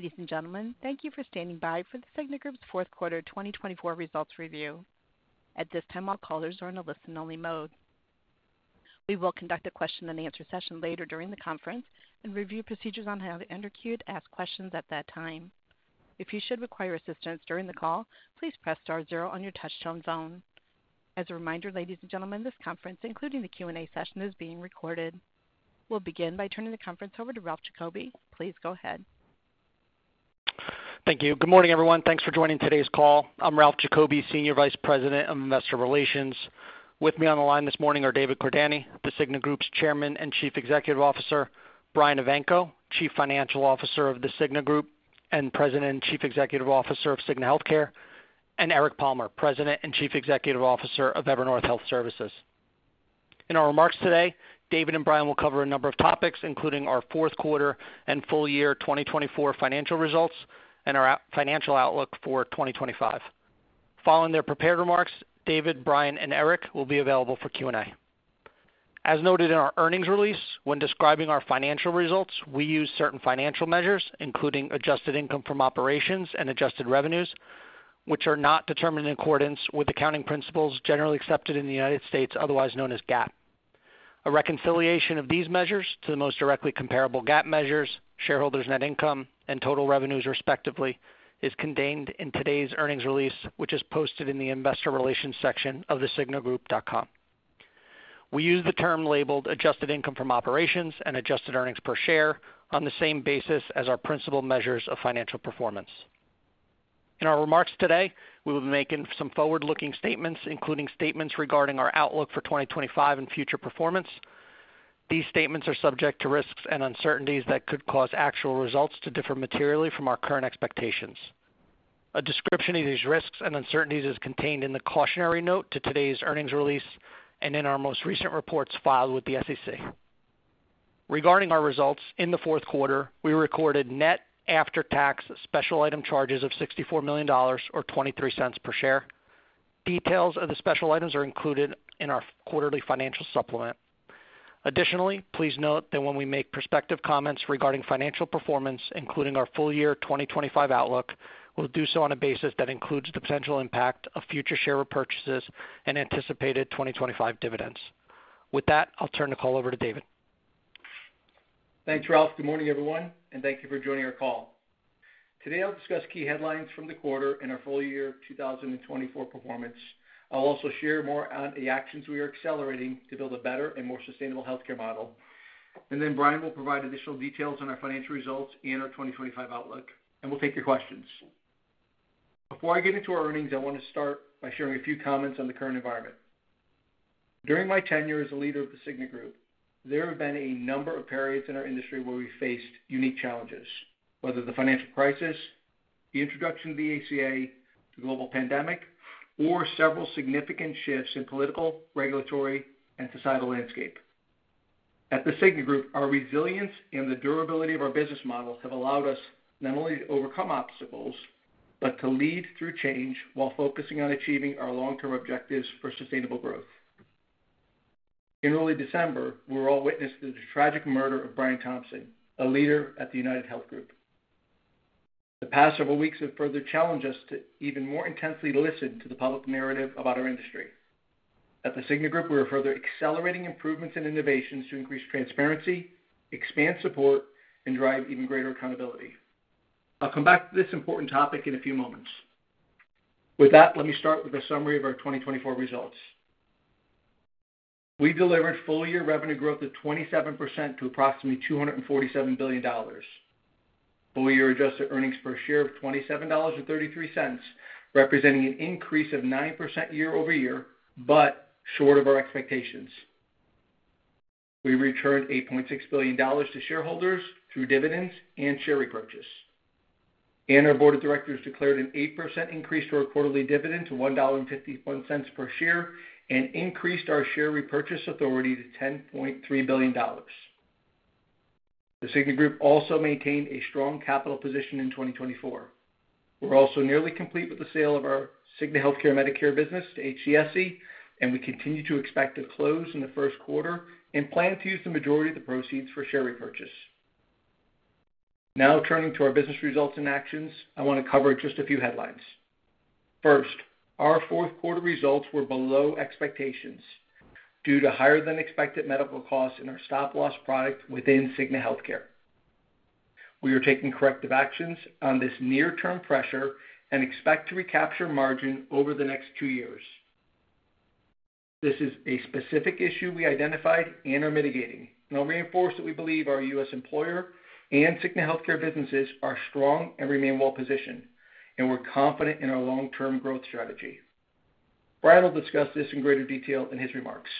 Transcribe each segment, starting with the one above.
Ladies and gentlemen, thank you for standing by for the Cigna Group's Fourth Quarter 2024 Results Review. At this time, all callers are in a listen-only mode. We will conduct a question-and-answer session later during the conference and review procedures on how to enter queue to ask questions at that time. If you should require assistance during the call, please press star zero on your touch-tone phone. As a reminder, ladies and gentlemen, this conference, including the Q&A session, is being recorded. We'll begin by turning the conference over to Ralph Giacobbe. Please go ahead. Thank you. Good morning, everyone. Thanks for joining today's call. I'm Ralph Giacobbe, Senior Vice President of Investor Relations. With me on the line this morning are David Cordani, the Cigna Group's Chairman and Chief Executive Officer, Brian Evanko, Chief Financial Officer of the Cigna Group and President and Chief Executive Officer of Cigna Healthcare, and Eric Palmer, President and Chief Executive Officer of Evernorth Health Services. In our remarks today, David and Brian will cover a number of topics, including our fourth quarter and full-year 2024 financial results and our financial outlook for 2025. Following their prepared remarks, David, Brian, and Eric will be available for Q&A. As noted in our earnings release, when describing our financial results, we use certain financial measures, including adjusted income from operations and adjusted revenues, which are not determined in accordance with accounting principles generally accepted in the United States, otherwise known as GAAP. A reconciliation of these measures to the most directly comparable GAAP measures, shareholders' net income, and total revenues, respectively, is contained in today's earnings release, which is posted in the investor relations section of thecignagroup.com. We use the term labeled adjusted income from operations and adjusted earnings per share on the same basis as our principal measures of financial performance. In our remarks today, we will be making some forward-looking statements, including statements regarding our outlook for 2025 and future performance. These statements are subject to risks and uncertainties that could cause actual results to differ materially from our current expectations. A description of these risks and uncertainties is contained in the cautionary note to today's earnings release and in our most recent reports filed with the SEC. Regarding our results in the fourth quarter, we recorded net after-tax special item charges of $64 million or $0.23 per share. Details of the special items are included in our quarterly financial supplement. Additionally, please note that when we make prospective comments regarding financial performance, including our full-year 2025 outlook, we'll do so on a basis that includes the potential impact of future share repurchases and anticipated 2025 dividends. With that, I'll turn the call over to David. Thanks, Ralph. Good morning, everyone, and thank you for joining our call. Today, I'll discuss key headlines from the quarter and our full-year 2024 performance. I'll also share more on the actions we are accelerating to build a better and more sustainable healthcare model. And then Brian will provide additional details on our financial results and our 2025 outlook, and we'll take your questions. Before I get into our earnings, I want to start by sharing a few comments on the current environment. During my tenure as a leader of The Cigna Group, there have been a number of periods in our industry where we faced unique challenges, whether the financial crisis, the introduction of the ACA, the global pandemic, or several significant shifts in political, regulatory, and societal landscape. At The Cigna Group, our resilience and the durability of our business model have allowed us not only to overcome obstacles but to lead through change while focusing on achieving our long-term objectives for sustainable growth. In early December, we were all witness to the tragic murder of Brian Thompson, a leader at the UnitedHealth Group. The past several weeks have further challenged us to even more intensely listen to the public narrative about our industry. At The Cigna Group, we are further accelerating improvements and innovations to increase transparency, expand support, and drive even greater accountability. I'll come back to this important topic in a few moments. With that, let me start with a summary of our 2024 results. We delivered full-year revenue growth of 27% to approximately $247 billion. Full-year adjusted earnings per share of $27.33, representing an increase of 9% year-over-year, but short of our expectations. We returned $8.6 billion to shareholders through dividends and share repurchase. And our board of directors declared an 8% increase to our quarterly dividend to $1.51 per share and increased our share repurchase authority to $10.3 billion. The Cigna Group also maintained a strong capital position in 2024. We're also nearly complete with the sale of our Cigna Healthcare Medicare business to HCSC, and we continue to expect to close in the first quarter and plan to use the majority of the proceeds for share repurchase. Now, turning to our business results and actions, I want to cover just a few headlines. First, our fourth quarter results were below expectations due to higher-than-expected medical costs in our stop-loss product within Cigna Healthcare. We are taking corrective actions on this near-term pressure and expect to recapture margin over the next two years. This is a specific issue we identified and are mitigating, and I'll reinforce that we believe our U.S. employer and Cigna Healthcare businesses are strong and remain well-positioned, and we're confident in our long-term growth strategy. Brian will discuss this in greater detail in his remarks.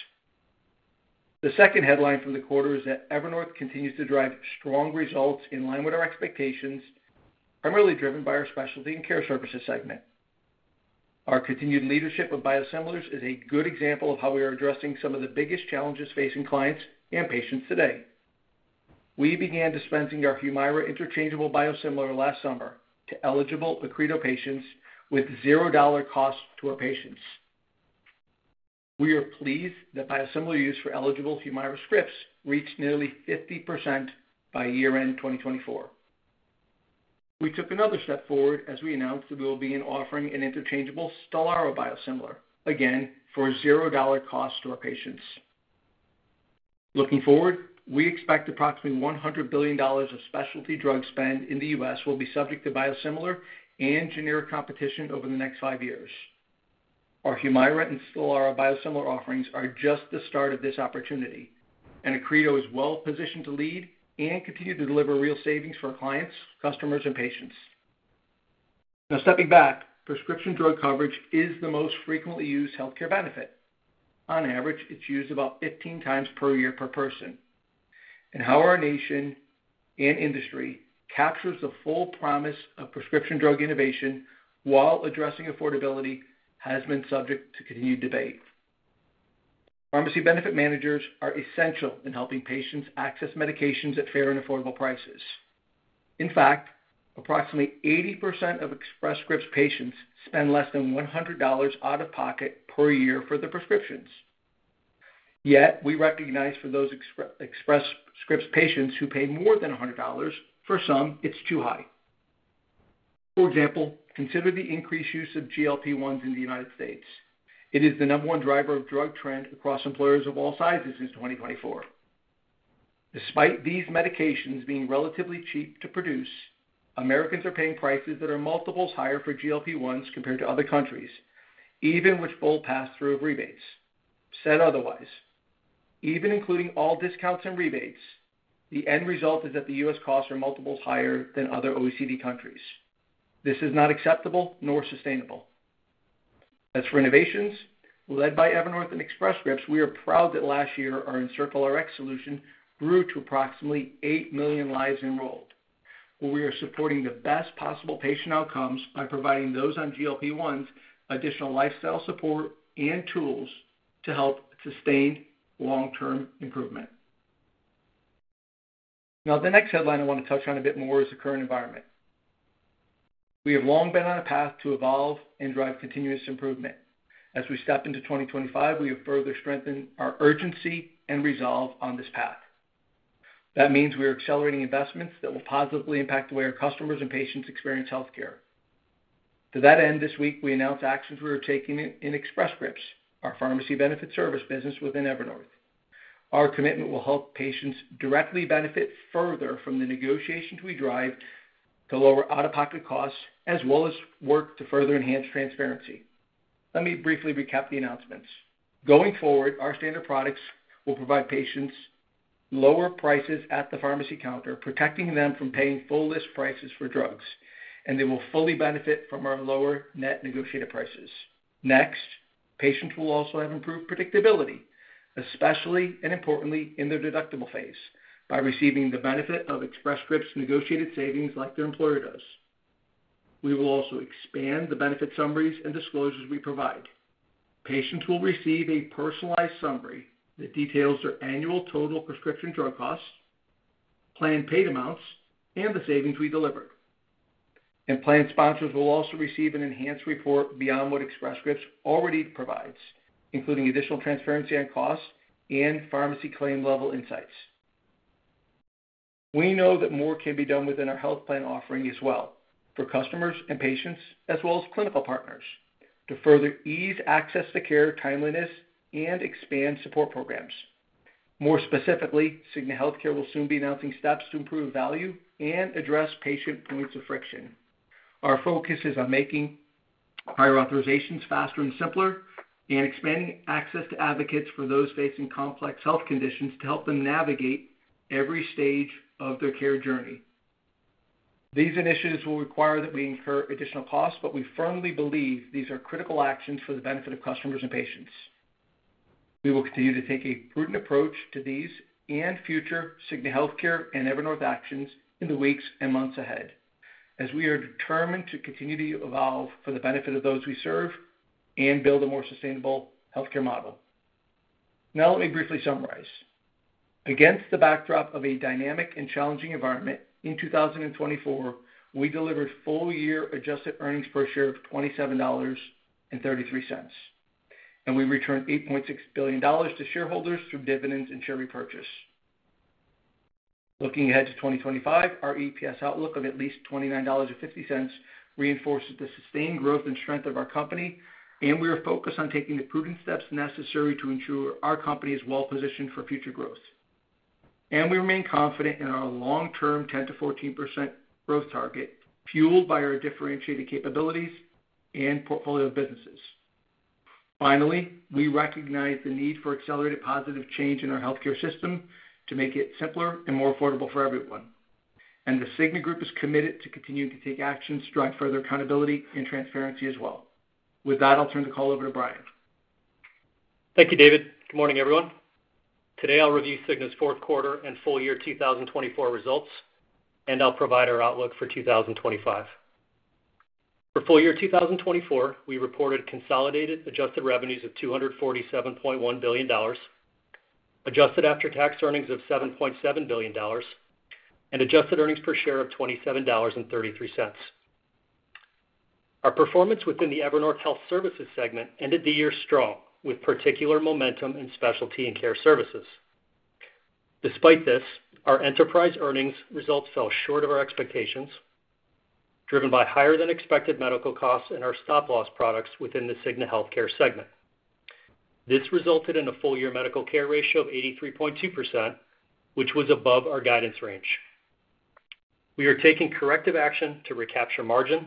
The second headline from the quarter is that Evernorth continues to drive strong results in line with our expectations, primarily driven by our specialty and Care Services segment. Our continued leadership of biosimilars is a good example of how we are addressing some of the biggest challenges facing clients and patients today. We began dispensing our Humira interchangeable biosimilar last summer to eligible Accredo patients with $0 cost to our patients. We are pleased that biosimilar use for eligible Humira scripts reached nearly 50% by year-end 2024. We took another step forward as we announced that we will begin offering an interchangeable Stelara biosimilar, again, for $0 cost to our patients. Looking forward, we expect approximately $100 billion of specialty drug spend in the U.S. will be subject to biosimilar and generic competition over the next five years. Our Humira and Stelara biosimilar offerings are just the start of this opportunity, and Accredo is well-positioned to lead and continue to deliver real savings for our clients, customers, and patients. Now, stepping back, prescription drug coverage is the most frequently used healthcare benefit. On average, it's used about 15 times per year per person. And how our nation and industry captures the full promise of prescription drug innovation while addressing affordability has been subject to continued debate. Pharmacy benefit managers are essential in helping patients access medications at fair and affordable prices. In fact, approximately 80% of Express Scripts patients spend less than $100 out of pocket per year for their prescriptions. Yet, we recognize for those Express Scripts patients who pay more than $100, for some, it's too high. For example, consider the increased use of GLP-1s in the United States. It is the number one driver of drug trend across employers of all sizes in 2024. Despite these medications being relatively cheap to produce, Americans are paying prices that are multiples higher for GLP-1s compared to other countries, even with full pass-through of rebates. Said otherwise, even including all discounts and rebates, the end result is that the U.S. costs are multiples higher than other OECD countries. This is not acceptable nor sustainable. As for innovations, led by Evernorth and Express Scripts, we are proud that last year our EncircleRx solution grew to approximately eight million lives enrolled. We are supporting the best possible patient outcomes by providing those on GLP-1s additional lifestyle support and tools to help sustain long-term improvement. Now, the next headline I want to touch on a bit more is the current environment. We have long been on a path to evolve and drive continuous improvement. As we step into 2025, we have further strengthened our urgency and resolve on this path. That means we are accelerating investments that will positively impact the way our customers and patients experience healthcare. To that end, this week, we announced actions we are taking in Express Scripts, our pharmacy benefit service business within Evernorth. Our commitment will help patients directly benefit further from the negotiations we drive to lower out-of-pocket costs, as well as work to further enhance transparency. Let me briefly recap the announcements. Going forward, our standard products will provide patients lower prices at the pharmacy counter, protecting them from paying full list prices for drugs, and they will fully benefit from our lower net negotiated prices. Next, patients will also have improved predictability, especially and importantly in their deductible phase, by receiving the benefit of Express Scripts negotiated savings like their employer does. We will also expand the benefit summaries and disclosures we provide. Patients will receive a personalized summary that details their annual total prescription drug costs, planned paid amounts, and the savings we delivered. And plan sponsors will also receive an enhanced report beyond what Express Scripts already provides, including additional transparency on costs and pharmacy claim-level insights. We know that more can be done within our health plan offering as well, for customers and patients, as well as clinical partners, to further ease access to care, timeliness, and expand support programs. More specifically, Cigna Healthcare will soon be announcing steps to improve value and address patient points of friction. Our focus is on making prior authorizations faster and simpler and expanding access to advocates for those facing complex health conditions to help them navigate every stage of their care journey. These initiatives will require that we incur additional costs, but we firmly believe these are critical actions for the benefit of customers and patients. We will continue to take a prudent approach to these and future Cigna Healthcare and Evernorth actions in the weeks and months ahead, as we are determined to continue to evolve for the benefit of those we serve and build a more sustainable healthcare model. Now, let me briefly summarize. Against the backdrop of a dynamic and challenging environment in 2024, we delivered full-year adjusted earnings per share of $27.33, and we returned $8.6 billion to shareholders through dividends and share repurchase. Looking ahead to 2025, our EPS outlook of at least $29.50 reinforces the sustained growth and strength of our company, and we are focused on taking the prudent steps necessary to ensure our company is well-positioned for future growth, and we remain confident in our long-term 10%-14% growth target, fueled by our differentiated capabilities and portfolio of businesses. Finally, we recognize the need for accelerated positive change in our healthcare system to make it simpler and more affordable for everyone. And The Cigna Group is committed to continuing to take actions to drive further accountability and transparency as well. With that, I'll turn the call over to Brian. Thank you, David. Good morning, everyone. Today, I'll review Cigna's fourth quarter and full-year 2024 results, and I'll provide our outlook for 2025. For full-year 2024, we reported consolidated adjusted revenues of $247.1 billion, adjusted after-tax earnings of $7.7 billion, and adjusted earnings per share of $27.33. Our performance within the Evernorth Health Services segment ended the year strong, with particular momentum in specialty and care services. Despite this, our enterprise earnings results fell short of our expectations, driven by higher-than-expected medical costs in our stop-loss products within the Cigna Healthcare segment. This resulted in a full-year medical care ratio of 83.2%, which was above our guidance range. We are taking corrective action to recapture margin,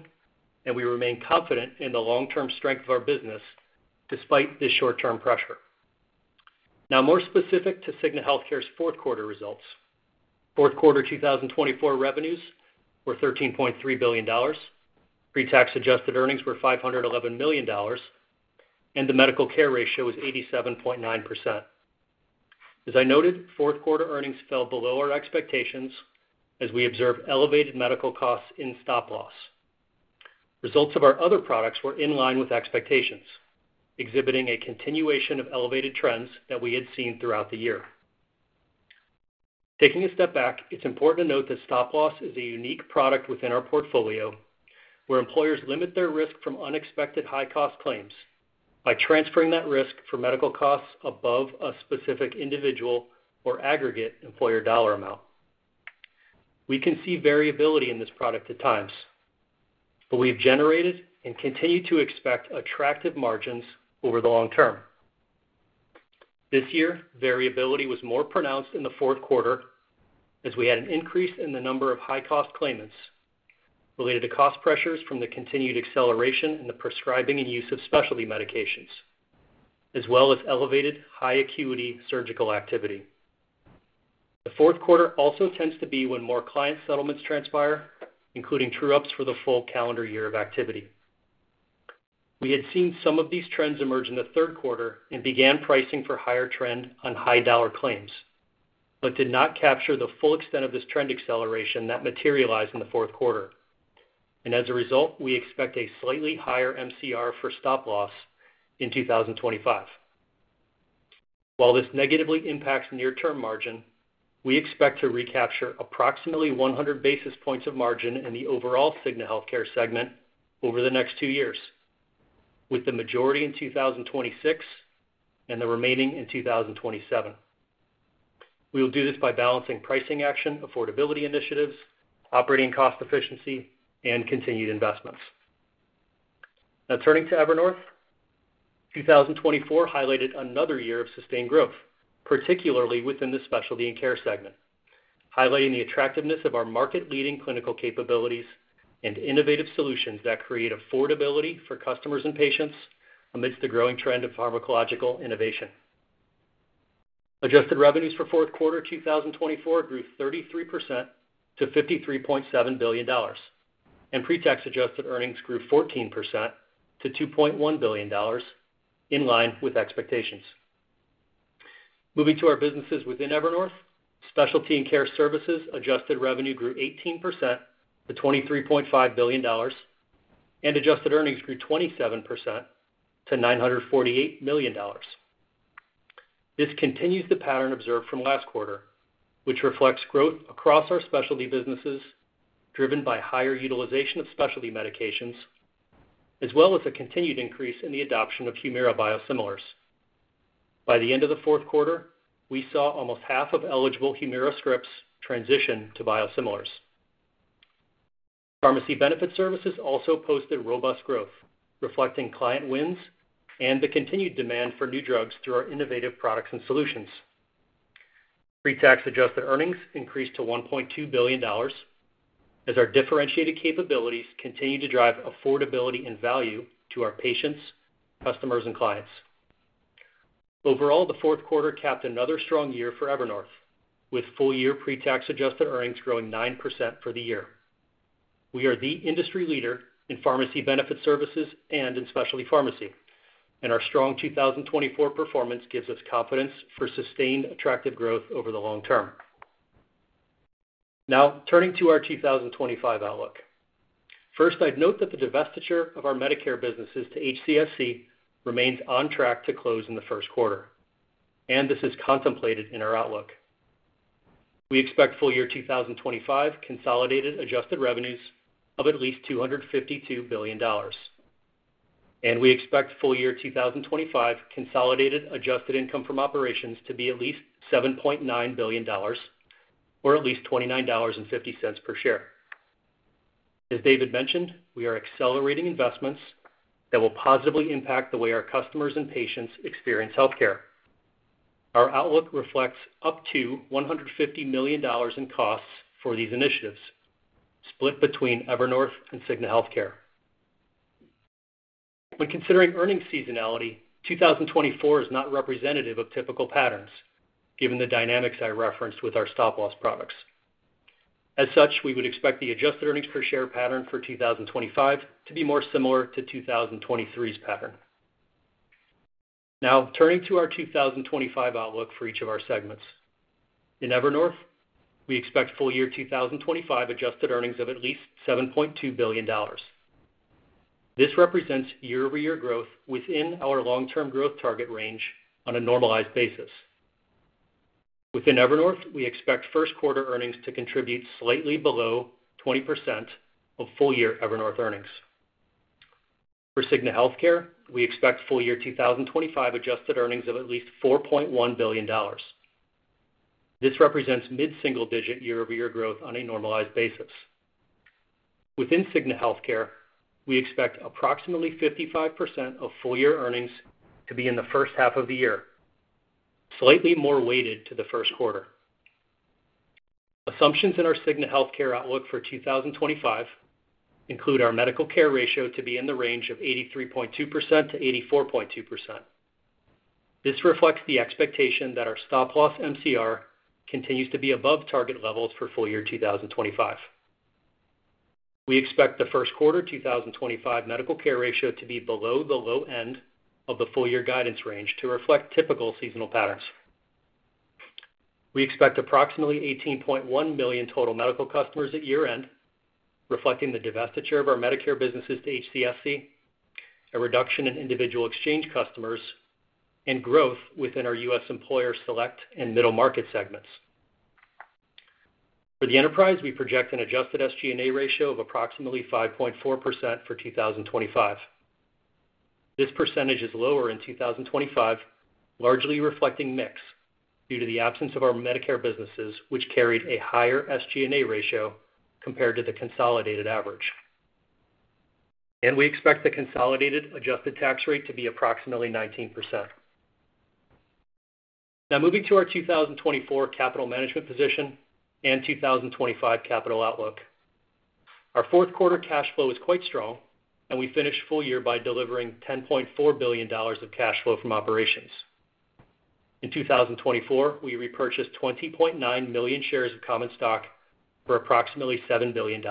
and we remain confident in the long-term strength of our business despite this short-term pressure. Now, more specific to Cigna Healthcare's fourth quarter results. Fourth quarter 2024 revenues were $13.3 billion. Pre-tax adjusted earnings were $511 million, and the medical care ratio was 87.9%. As I noted, fourth-quarter earnings fell below our expectations as we observed elevated medical costs in stop-loss. Results of our other products were in line with expectations, exhibiting a continuation of elevated trends that we had seen throughout the year. Taking a step back, it's important to note that stop-loss is a unique product within our portfolio where employers limit their risk from unexpected high-cost claims by transferring that risk for medical costs above a specific individual or aggregate employer dollar amount. We can see variability in this product at times, but we have generated and continue to expect attractive margins over the long term. This year, variability was more pronounced in the fourth quarter as we had an increase in the number of high-cost claimants related to cost pressures from the continued acceleration in the prescribing and use of specialty medications, as well as elevated high-acuity surgical activity. The fourth quarter also tends to be when more client settlements transpire, including true-ups for the full calendar year of activity. We had seen some of these trends emerge in the third quarter and began pricing for higher trend on high-dollar claims, but did not capture the full extent of this trend acceleration that materialized in the fourth quarter, and as a result, we expect a slightly higher MCR for stop-loss in 2025. While this negatively impacts near-term margin, we expect to recapture approximately 100 basis points of margin in the overall Cigna Healthcare segment over the next two years, with the majority in 2026 and the remaining in 2027. We will do this by balancing pricing action, affordability initiatives, operating cost efficiency, and continued investments. Now, turning to Evernorth, 2024 highlighted another year of sustained growth, particularly within The Specialty and Care segment, highlighting the attractiveness of our market-leading clinical capabilities and innovative solutions that create affordability for customers and patients amidst the growing trend of pharmacological innovation. Adjusted revenues for fourth quarter 2024 grew 33% to $53.7 billion, and pre-tax adjusted earnings grew 14% to $2.1 billion, in line with expectations. Moving to our businesses within Evernorth, specialty and care services adjusted revenue grew 18% to $23.5 billion, and adjusted earnings grew 27% to $948 million. This continues the pattern observed from last quarter, which reflects growth across our specialty businesses driven by higher utilization of specialty medications, as well as a continued increase in the adoption of Humira biosimilars. By the end of the fourth quarter, we saw almost half of eligible Humira scripts transition to biosimilars. Pharmacy benefit services also posted robust growth, reflecting client wins and the continued demand for new drugs through our innovative products and solutions. Pre-tax adjusted earnings increased to $1.2 billion, as our differentiated capabilities continue to drive affordability and value to our patients, customers, and clients. Overall, the fourth quarter capped another strong year for Evernorth, with full-year pre-tax adjusted earnings growing 9% for the year. We are the industry leader in pharmacy benefit services and in specialty pharmacy, and our strong 2024 performance gives us confidence for sustained attractive growth over the long term. Now, turning to our 2025 outlook. First, I'd note that the divestiture of our Medicare businesses to HCSC remains on track to close in the first quarter, and this is contemplated in our outlook. We expect full-year 2025 consolidated adjusted revenues of at least $252 billion. And we expect full-year 2025 consolidated adjusted income from operations to be at least $7.9 billion, or at least $29.50 per share. As David mentioned, we are accelerating investments that will positively impact the way our customers and patients experience healthcare. Our outlook reflects up to $150 million in costs for these initiatives, split between Evernorth and Cigna Healthcare. When considering earnings seasonality, 2024 is not representative of typical patterns, given the dynamics I referenced with our stop-loss products. As such, we would expect the adjusted earnings per share pattern for 2025 to be more similar to 2023's pattern. Now, turning to our 2025 outlook for each of our segments. In Evernorth, we expect full-year 2025 adjusted earnings of at least $7.2 billion. This represents year-over-year growth within our long-term growth target range on a normalized basis. Within Evernorth, we expect first quarter earnings to contribute slightly below 20% of full-year Evernorth earnings. For Cigna Healthcare, we expect full-year 2025 adjusted earnings of at least $4.1 billion. This represents mid-single-digit year-over-year growth on a normalized basis. Within Cigna Healthcare, we expect approximately 55% of full-year earnings to be in the first half of the year, slightly more weighted to the first quarter. Assumptions in our Cigna Healthcare outlook for 2025 include our medical care ratio to be in the range of 83.2%-84.2%. This reflects the expectation that our stop-loss MCR continues to be above target levels for full-year 2025. We expect the first quarter 2025 medical care ratio to be below the low end of the full-year guidance range to reflect typical seasonal patterns. We expect approximately 18.1 million total medical customers at year-end, reflecting the divestiture of our Medicare businesses to HCSC, a reduction in individual exchange customers, and growth within our U.S. employer Select and Middle Market segments. For the enterprise, we project an adjusted SG&A ratio of approximately 5.4% for 2025. This percentage is lower in 2025, largely reflecting mix due to the absence of our Medicare businesses, which carried a higher SG&A ratio compared to the consolidated average, and we expect the consolidated adjusted tax rate to be approximately 19%. Now, moving to our 2024 capital management position and 2025 capital outlook. Our fourth quarter cash flow was quite strong, and we finished full year by delivering $10.4 billion of cash flow from operations. In 2024, we repurchased 20.9 million shares of common stock for approximately $7 billion.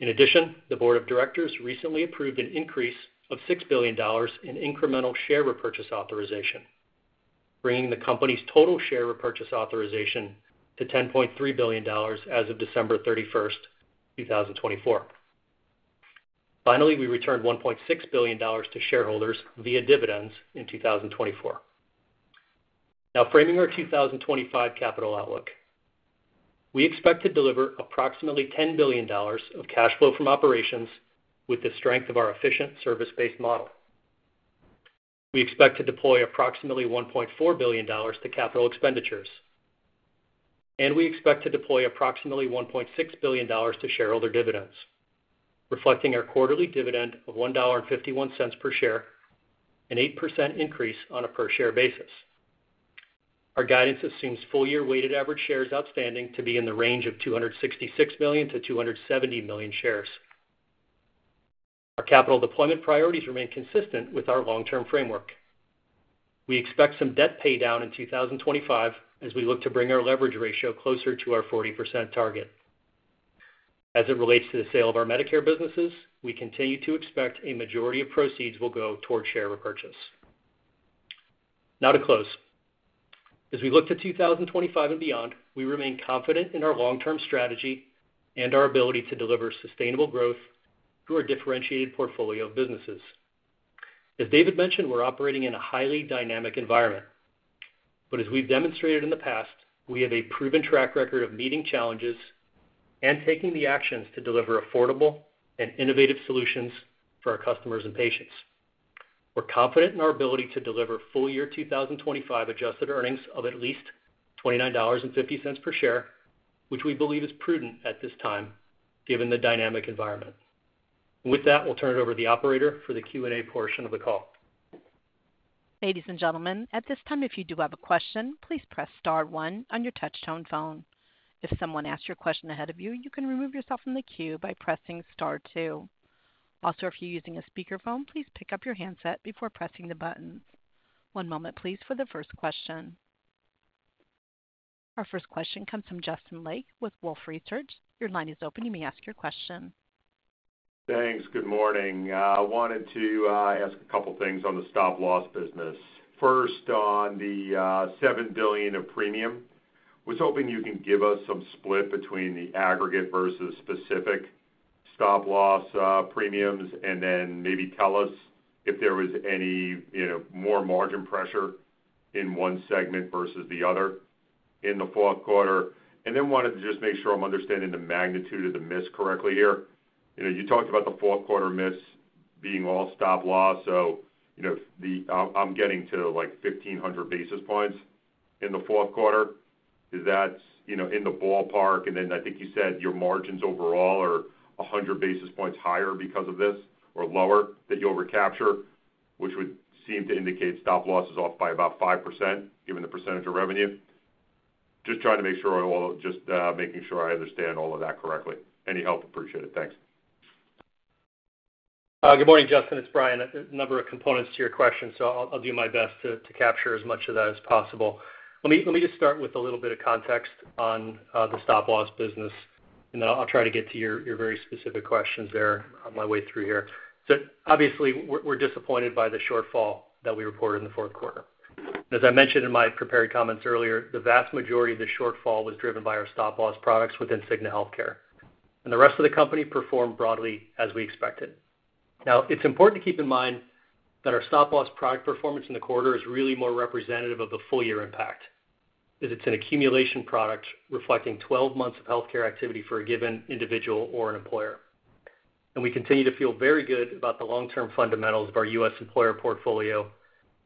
In addition, the board of directors recently approved an increase of $6 billion in incremental share repurchase authorization, bringing the company's total share repurchase authorization to $10.3 billion as of December 31st, 2024. Finally, we returned $1.6 billion to shareholders via dividends in 2024. Now, framing our 2025 capital outlook, we expect to deliver approximately $10 billion of cash flow from operations with the strength of our efficient service-based model. We expect to deploy approximately $1.4 billion to capital expenditures, and we expect to deploy approximately $1.6 billion to shareholder dividends, reflecting our quarterly dividend of $1.51 per share, an 8% increase on a per-share basis. Our guidance assumes full-year weighted average shares outstanding to be in the range of 266 million-270 million shares. Our capital deployment priorities remain consistent with our long-term framework. We expect some debt paydown in 2025 as we look to bring our leverage ratio closer to our 40% target. As it relates to the sale of our Medicare businesses, we continue to expect a majority of proceeds will go toward share repurchase. Now, to close. As we look to 2025 and beyond, we remain confident in our long-term strategy and our ability to deliver sustainable growth through our differentiated portfolio of businesses. As David mentioned, we're operating in a highly dynamic environment. But as we've demonstrated in the past, we have a proven track record of meeting challenges and taking the actions to deliver affordable and innovative solutions for our customers and patients. We're confident in our ability to deliver full-year 2025 adjusted earnings of at least $29.50 per share, which we believe is prudent at this time given the dynamic environment. With that, we'll turn it over to the operator for the Q&A portion of the call. Ladies and gentlemen, at this time, if you do have a question, please press star one on your touch-tone phone. If someone asked your question ahead of you, you can remove yourself from the queue by pressing star one. Also, if you're using a speakerphone, please pick up your handset before pressing the button. One moment, please, for the first question. Our first question comes from Justin Lake with Wolfe Research. Your line is open. You may ask your question. Thanks. Good morning. I wanted to ask a couple of things on the stop-loss business. First, on the $7 billion of premium, I was hoping you can give us some split between the aggregate versus specific stop-loss premiums and then maybe tell us if there was any more margin pressure in one segment versus the other in the fourth quarter. And then wanted to just make sure I'm understanding the magnitude of the miss correctly here. You talked about the fourth quarter miss being all stop-loss, so I'm getting to like 1,500 basis points in the fourth quarter. Is that in the ballpark? And then I think you said your margins overall are 100 basis points higher because of this or lower that you'll recapture, which would seem to indicate stop-loss is off by about 5% given the percentage of revenue. Just trying to make sure I understand all of that correctly. Any help? Appreciate it. Thanks. Good morning, Justin. It's Brian. A number of components to your question, so I'll do my best to capture as much of that as possible. Let me just start with a little bit of context on the stop-loss business, and then I'll try to get to your very specific questions there on my way through here. So obviously, we're disappointed by the shortfall that we reported in the fourth quarter. As I mentioned in my prepared comments earlier, the vast majority of the shortfall was driven by our stop-loss products within Cigna Healthcare. And the rest of the company performed broadly as we expected. Now, it's important to keep in mind that our stop-loss product performance in the quarter is really more representative of the full-year impact as it's an accumulation product reflecting 12 months of healthcare activity for a given individual or an employer. And we continue to feel very good about the long-term fundamentals of our U.S. employer portfolio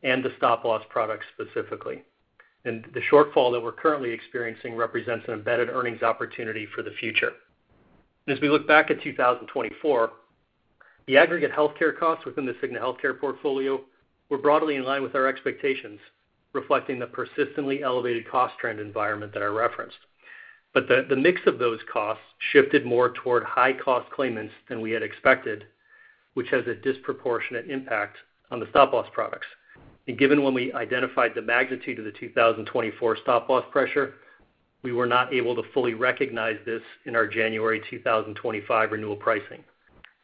and the stop-loss product specifically. And the shortfall that we're currently experiencing represents an embedded earnings opportunity for the future. As we look back at 2024, the aggregate healthcare costs within the Cigna Healthcare portfolio were broadly in line with our expectations, reflecting the persistently elevated cost trend environment that I referenced. But the mix of those costs shifted more toward high-cost claimants than we had expected, which has a disproportionate impact on the stop-loss products. And given when we identified the magnitude of the 2024 stop-loss pressure, we were not able to fully recognize this in our January 2025 renewal pricing,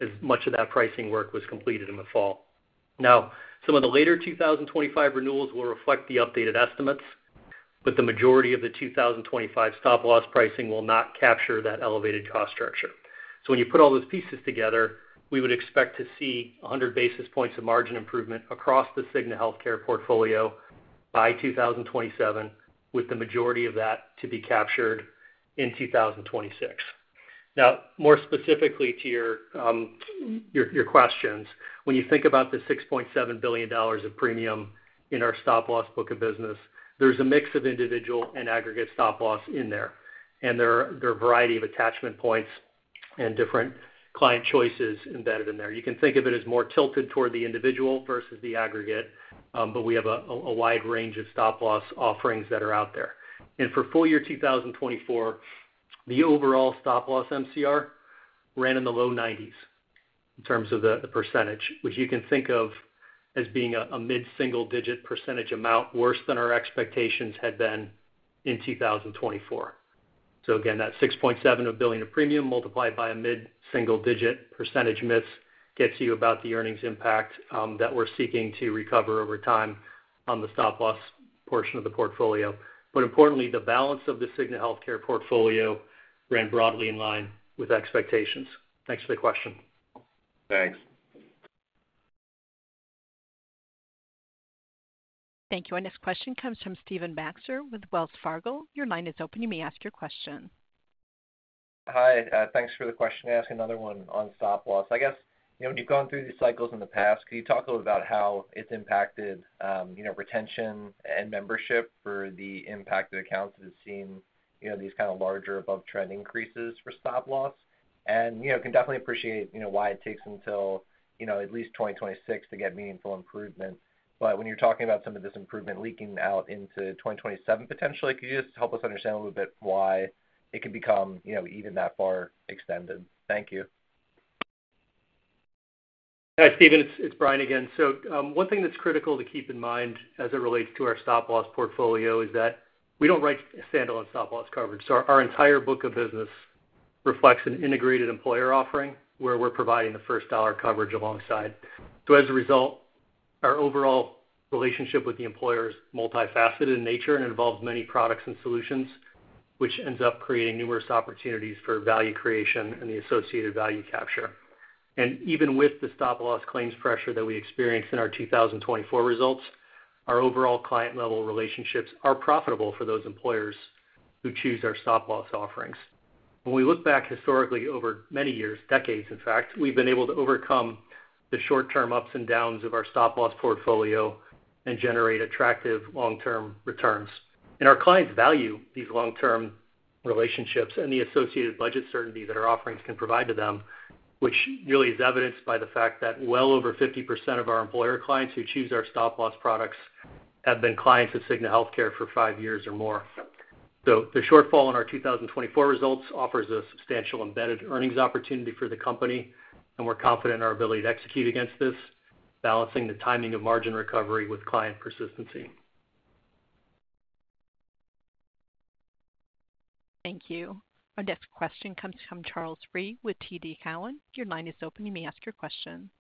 as much of that pricing work was completed in the fall. Now, some of the later 2025 renewals will reflect the updated estimates, but the majority of the 2025 stop-loss pricing will not capture that elevated cost structure. So when you put all those pieces together, we would expect to see 100 basis points of margin improvement across the Cigna Healthcare portfolio by 2027, with the majority of that to be captured in 2026. Now, more specifically to your questions, when you think about the $6.7 billion of premium in our stop-loss book of business, there's a mix of individual and aggregate stop-loss in there. And there are a variety of attachment points and different client choices embedded in there. You can think of it as more tilted toward the individual versus the aggregate, but we have a wide range of stop-loss offerings that are out there. For full-year 2024, the overall stop-loss MCR ran in the low 90s in terms of the percentage, which you can think of as being a mid-single-digit percentage amount worse than our expectations had been in 2024. So again, that $6.7 billion of premium multiplied by a mid-single-digit percentage miss gets you about the earnings impact that we're seeking to recover over time on the stop-loss portion of the portfolio. But importantly, the balance of the Cigna Healthcare portfolio ran broadly in line with expectations. Thanks for the question. Thanks. Thank you. Our next question comes from Stephen Baxter with Wells Fargo. Your line is open. You may ask your question. Hi. Thanks for the question. I'm going to ask another one on stop-loss. I guess, you know, when you've gone through these cycles in the past, could you talk a little about how it's impacted retention and membership for the impacted accounts that have seen these kind of larger above-trend increases for stop-loss? And can definitely appreciate why it takes until at least 2026 to get meaningful improvement. But when you're talking about some of this improvement leaking out into 2027 potentially, could you just help us understand a little bit why it can become even that far extended? Thank you. Hi, Steven. It's Brian again. So one thing that's critical to keep in mind as it relates to our stop-loss portfolio is that we don't write a standalone stop-loss coverage. So our entire book of business reflects an integrated employer offering where we're providing the first dollar coverage alongside. So as a result, our overall relationship with the employer is multifaceted in nature and involves many products and solutions, which ends up creating numerous opportunities for value creation and the associated value capture. And even with the stop-loss claims pressure that we experienced in our 2024 results, our overall client-level relationships are profitable for those employers who choose our stop-loss offerings. When we look back historically over many years, decades, in fact, we've been able to overcome the short-term ups and downs of our stop-loss portfolio and generate attractive long-term returns. And our clients value these long-term relationships and the associated budget certainty that our offerings can provide to them, which really is evidenced by the fact that well over 50% of our employer clients who choose our stop-loss products have been clients of Cigna Healthcare for five years or more. So the shortfall in our 2024 results offers a substantial embedded earnings opportunity for the company, and we're confident in our ability to execute against this, balancing the timing of margin recovery with client persistency. Thank you. Our next question comes from Charles Rhyee with TD Cowen. Your line is open. You may ask your question.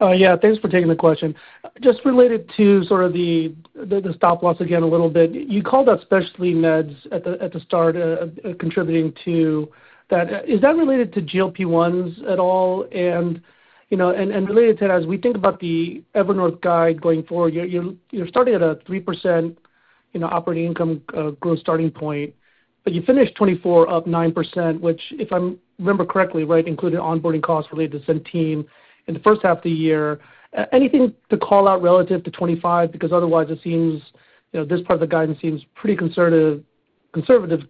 Yeah. Thanks for taking the question. Just related to sort of the stop-loss again a little bit, you called out specialty meds at the start contributing to that. Is that related to GLP-1s at all? And related to that, as we think about the Evernorth guide going forward, you're starting at a 3% operating income growth starting point, but you finished 2024 up 9%, which, if I remember correctly, right, included onboarding costs related to Centene in the first half of the year. Anything to call out relative to 2025? Because otherwise, it seems this part of the guidance seems pretty conservative,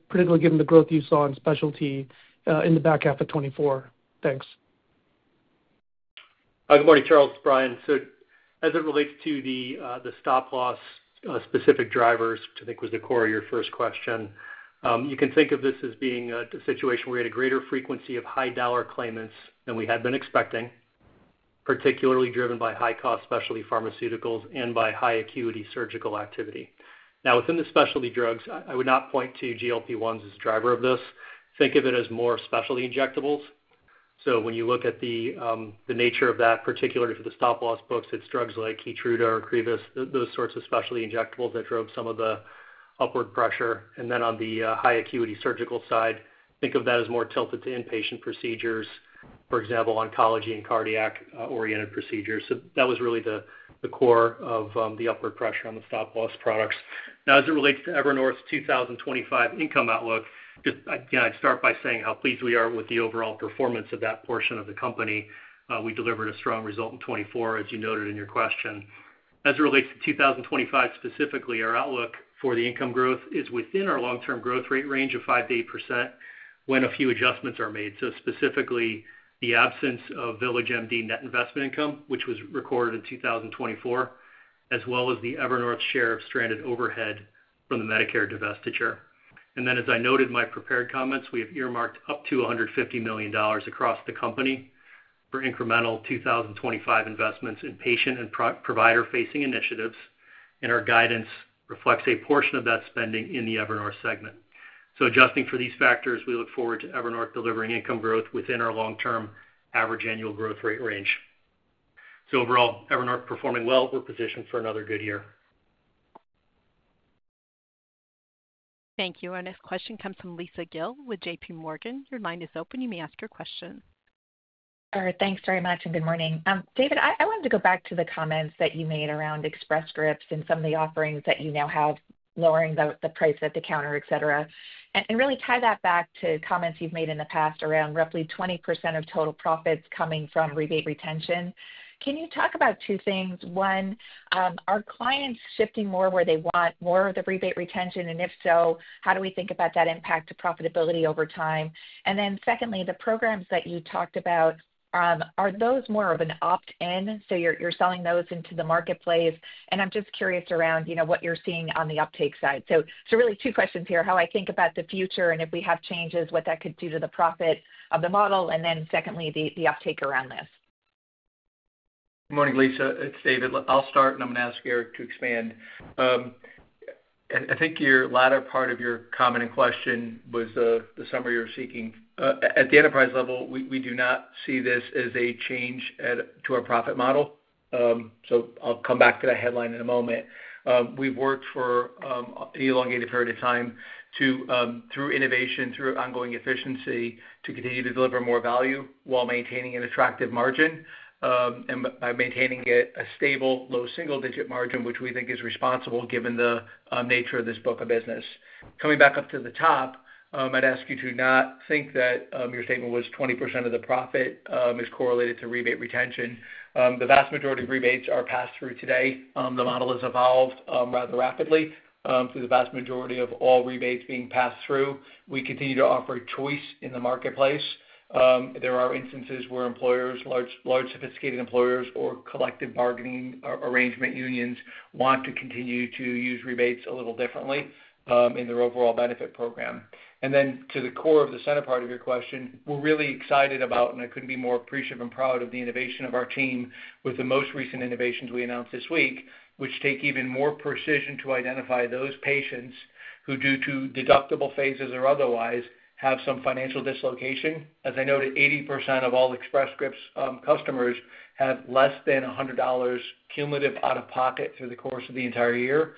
particularly given the growth you saw in specialty in the back half of 2024. Thanks. Good morning, Charles. Brian, so as it relates to the stop-loss specific drivers, which I think was the core of your first question, you can think of this as being a situation where we had a greater frequency of high-dollar claimants than we had been expecting, particularly driven by high-cost specialty pharmaceuticals and by high acuity surgical activity. Now, within the specialty drugs, I would not point to GLP-1s as the driver of this. Think of it as more specialty injectables. So when you look at the nature of that, particularly for the stop-loss books, it's drugs like Keytruda or Ocrevus, those sorts of specialty injectables that drove some of the upward pressure. And then on the high acuity surgical side, think of that as more tilted to inpatient procedures, for example, oncology and cardiac-oriented procedures. So that was really the core of the upward pressure on the stop-loss products. Now, as it relates to Evernorth's 2025 income outlook, again, I'd start by saying how pleased we are with the overall performance of that portion of the company. We delivered a strong result in 2024, as you noted in your question. As it relates to 2025 specifically, our outlook for the income growth is within our long-term growth rate range of 5%-8% when a few adjustments are made. So specifically, the absence of VillageMD net investment income, which was recorded in 2024, as well as the Evernorth share of stranded overhead from the Medicare divestiture. Then, as I noted in my prepared comments, we have earmarked up to $150 million across the company for incremental 2025 investments in patient and provider-facing initiatives, and our guidance reflects a portion of that spending in the Evernorth segment. Adjusting for these factors, we look forward to Evernorth delivering income growth within our long-term average annual growth rate range. Overall, Evernorth performing well, we are positioned for another good year. Thank you. Our next question comes from Lisa Gill with JPMorgan. Your line is open. You may ask your question. Sure. Thanks very much and good morning. David, I wanted to go back to the comments that you made around Express Scripts and some of the offerings that you now have, lowering the price at the counter, etc., and really tie that back to comments you've made in the past around roughly 20% of total profits coming from rebate retention. Can you talk about two things? One, are clients shifting more where they want more of the rebate retention? And if so, how do we think about that impact to profitability over time? And then secondly, the programs that you talked about, are those more of an opt-in? So you're selling those into the marketplace. And I'm just curious around what you're seeing on the uptake side. So really two questions here. How I think about the future and if we have changes, what that could do to the profit of the model. And then secondly, the uptake around this. Good morning, Lisa. It's David. I'll start, and I'm going to ask Eric to expand. I think your latter part of your comment and question was the summary you were seeking. At the enterprise level, we do not see this as a change to our profit model. So I'll come back to that headline in a moment. We've worked for an elongated period of time through innovation, through ongoing efficiency, to continue to deliver more value while maintaining an attractive margin and by maintaining a stable, low single-digit margin, which we think is responsible given the nature of this book of business. Coming back up to the top, I'd ask you to not think that your statement was 20% of the profit is correlated to rebate retention. The vast majority of rebates are passed through today. The model has evolved rather rapidly through the vast majority of all rebates being passed through. We continue to offer choice in the marketplace. There are instances where employers, large sophisticated employers or collective bargaining arrangement unions want to continue to use rebates a little differently in their overall benefit program, and then to the core of the center part of your question, we're really excited about, and I couldn't be more appreciative and proud of the innovation of our team with the most recent innovations we announced this week, which take even more precision to identify those patients who, due to deductible phases or otherwise, have some financial dislocation. As I noted, 80% of all Express Scripts customers have less than $100 cumulative out of pocket through the course of the entire year.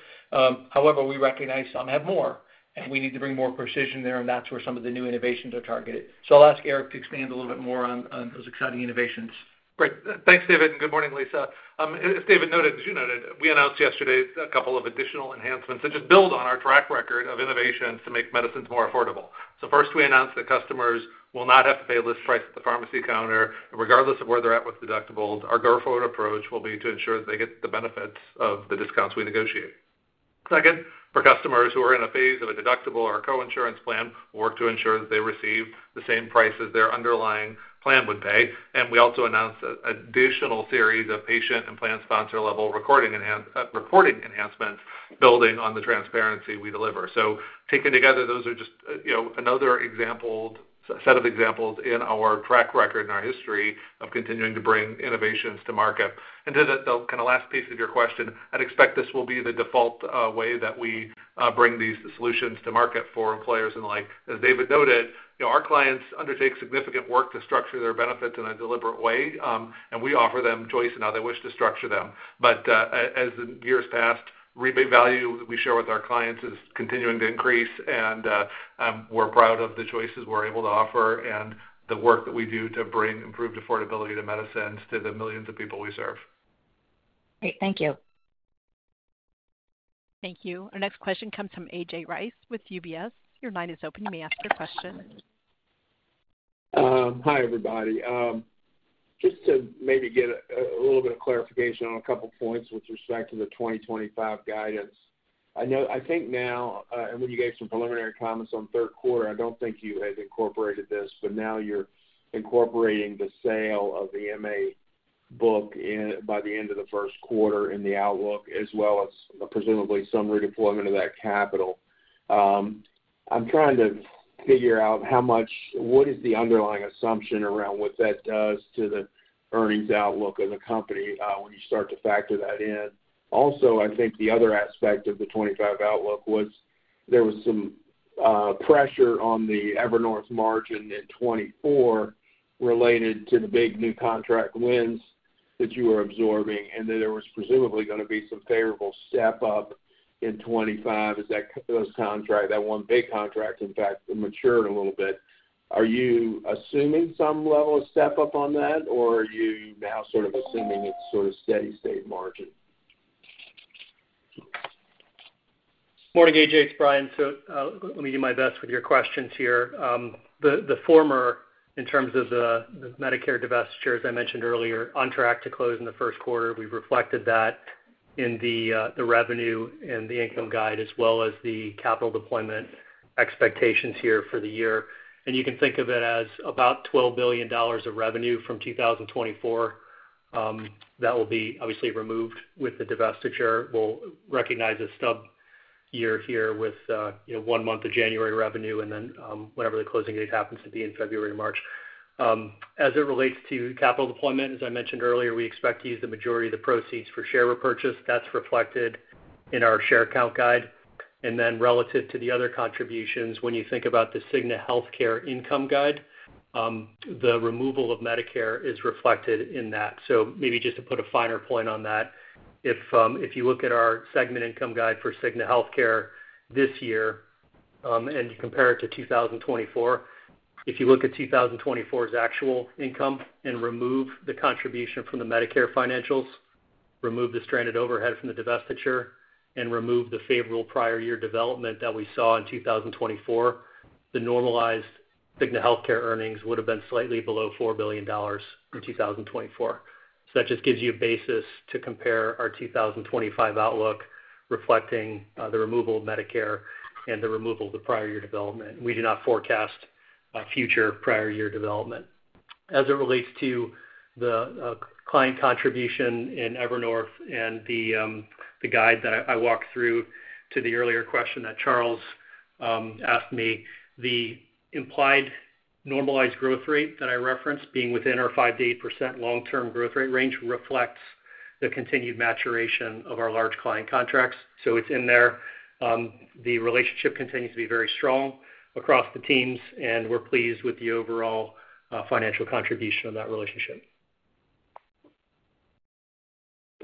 However, we recognize some have more, and we need to bring more precision there, and that's where some of the new innovations are targeted. So I'll ask Eric to expand a little bit more on those exciting innovations. Great. Thanks, David. And good morning, Lisa. As David noted, as you noted, we announced yesterday a couple of additional enhancements that just build on our track record of innovations to make medicines more affordable. So first, we announced that customers will not have to pay a list price at the pharmacy counter, regardless of where they're at with deductibles. Our go-forward approach will be to ensure that they get the benefits of the discounts we negotiate. Second, for customers who are in a phase of a deductible or a coinsurance plan, we'll work to ensure that they receive the same price as their underlying plan would pay. And we also announced an additional series of patient and plan sponsor-level recording enhancements, building on the transparency we deliver. So taken together, those are just another set of examples in our track record and our history of continuing to bring innovations to market. And to the kind of last piece of your question, I'd expect this will be the default way that we bring these solutions to market for employers and the like. As David noted, our clients undertake significant work to structure their benefits in a deliberate way, and we offer them choice in how they wish to structure them. But as the years passed, rebate value that we share with our clients is continuing to increase, and we're proud of the choices we're able to offer and the work that we do to bring improved affordability to medicines to the millions of people we serve. Great. Thank you. Thank you. Our next question comes from A.J. Rice with UBS. Your line is open. You may ask your question. Hi, everybody. Just to maybe get a little bit of clarification on a couple of points with respect to the 2025 guidance. I think now, and when you gave some preliminary comments on third quarter, I don't think you had incorporated this, but now you're incorporating the sale of the MA book by the end of the first quarter in the outlook, as well as presumably some redeployment of that capital. I'm trying to figure out how much, what is the underlying assumption around what that does to the earnings outlook of the company when you start to factor that in. Also, I think the other aspect of the 2025 outlook was there was some pressure on the Evernorth margin in 2024 related to the big new contract wins that you were absorbing, and that there was presumably going to be some favorable step-up in 2025 as that contract, that one big contract, in fact, matured a little bit. Are you assuming some level of step-up on that, or are you now sort of assuming it's sort of steady-state margin? Good morning, AJ. It's Brian. So let me do my best with your questions here. The former, in terms of the Medicare divestiture, as I mentioned earlier, on track to close in the first quarter. We've reflected that in the revenue and the income guide, as well as the capital deployment expectations here for the year. You can think of it as about $12 billion of revenue from 2024 that will be obviously removed with the divestiture. We'll recognize a stub year here with one month of January revenue, and then whatever the closing date happens to be in February or March. As it relates to capital deployment, as I mentioned earlier, we expect to use the majority of the proceeds for share repurchase. That's reflected in our share count guide. Then relative to the other contributions, when you think about the Cigna Healthcare income guide, the removal of Medicare is reflected in that. So maybe just to put a finer point on that, if you look at our segment income guide for Cigna Healthcare this year and you compare it to 2024, if you look at 2024's actual income and remove the contribution from the Medicare financials, remove the stranded overhead from the divestiture, and remove the favorable prior year development that we saw in 2024, the normalized Cigna Healthcare earnings would have been slightly below $4 billion in 2024. So that just gives you a basis to compare our 2025 outlook, reflecting the removal of Medicare and the removal of the prior year development. We do not forecast future prior year development. As it relates to the client contribution in Evernorth and the guide that I walked through to the earlier question that Charles asked me, the implied normalized growth rate that I referenced, being within our 5%-8% long-term growth rate range, reflects the continued maturation of our large client contracts. So it's in there. The relationship continues to be very strong across the teams, and we're pleased with the overall financial contribution of that relationship.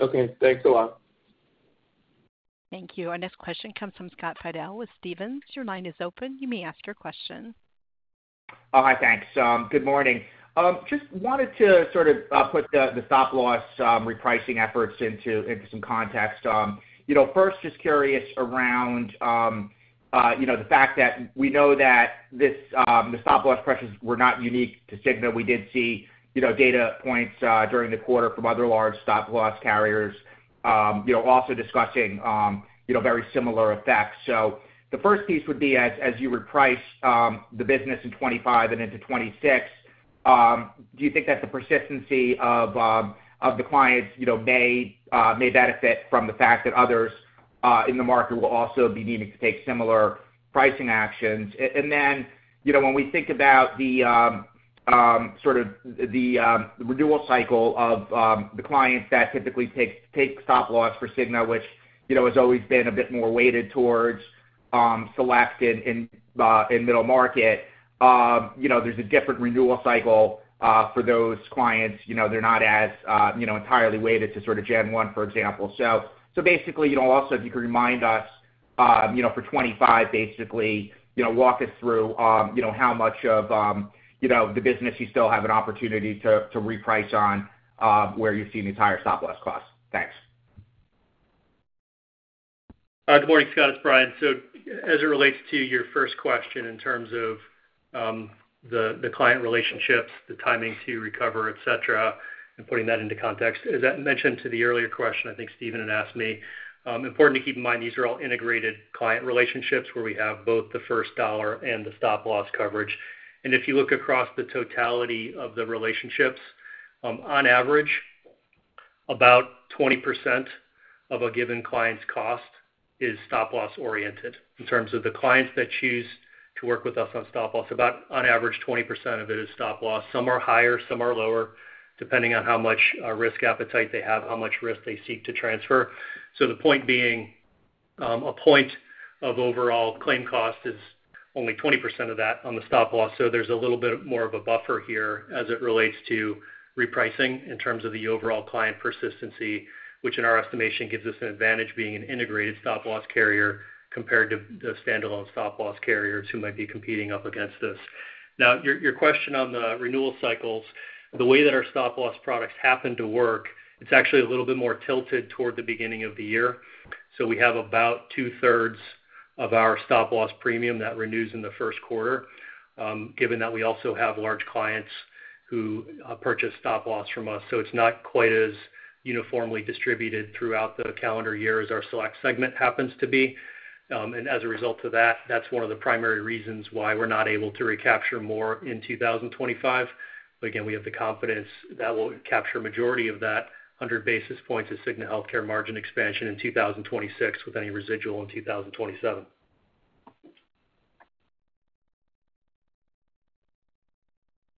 Okay. Thanks a lot. Thank you. Our next question comes from Scott Fidel with Stephens. Your line is open. You may ask your question. Hi, thanks. Good morning. Just wanted to sort of put the stop-loss repricing efforts into some context. First, just curious around the fact that we know that the stop-loss pressures were not unique to Cigna. We did see data points during the quarter from other large stop-loss carriers also discussing very similar effects, so the first piece would be, as you reprice the business in 2025 and into 2026, do you think that the persistency of the clients may benefit from the fact that others in the market will also be needing to take similar pricing actions? And then when we think about sort of the renewal cycle of the clients that typically take stop-loss for Cigna, which has always been a bit more weighted towards select in middle market, there's a different renewal cycle for those clients. They're not as entirely weighted to sort of Jan 1, for example, so basically, also, if you could remind us for 2025, basically, walk us through how much of the business you still have an opportunity to reprice on where you've seen these higher stop-loss costs. Thanks. Good morning, Scott. It's Brian. So as it relates to your first question in terms of the client relationships, the timing to recover, etc., and putting that into context, as I mentioned to the earlier question, I think Steven had asked me, important to keep in mind these are all integrated client relationships where we have both the first dollar and the stop-loss coverage. And if you look across the totality of the relationships, on average, about 20% of a given client's cost is stop-loss oriented. In terms of the clients that choose to work with us on stop-loss, about on average, 20% of it is stop-loss. Some are higher, some are lower, depending on how much risk appetite they have, how much risk they seek to transfer. So the point being, a point of overall claim cost is only 20% of that on the stop-loss. There's a little bit more of a buffer here as it relates to repricing in terms of the overall client persistency, which in our estimation gives us an advantage being an integrated stop-loss carrier compared to the standalone stop-loss carriers who might be competing up against us. Now, your question on the renewal cycles, the way that our stop-loss products happen to work, it's actually a little bit more tilted toward the beginning of the year. We have about two-thirds of our stop-loss premium that renews in the first quarter, given that we also have large clients who purchase stop-loss from us. It's not quite as uniformly distributed throughout the calendar year as our select segment happens to be. As a result of that, that's one of the primary reasons why we're not able to recapture more in 2025. But again, we have the confidence that we'll capture a majority of that 100 basis points of Cigna Healthcare margin expansion in 2026 with any residual in 2027.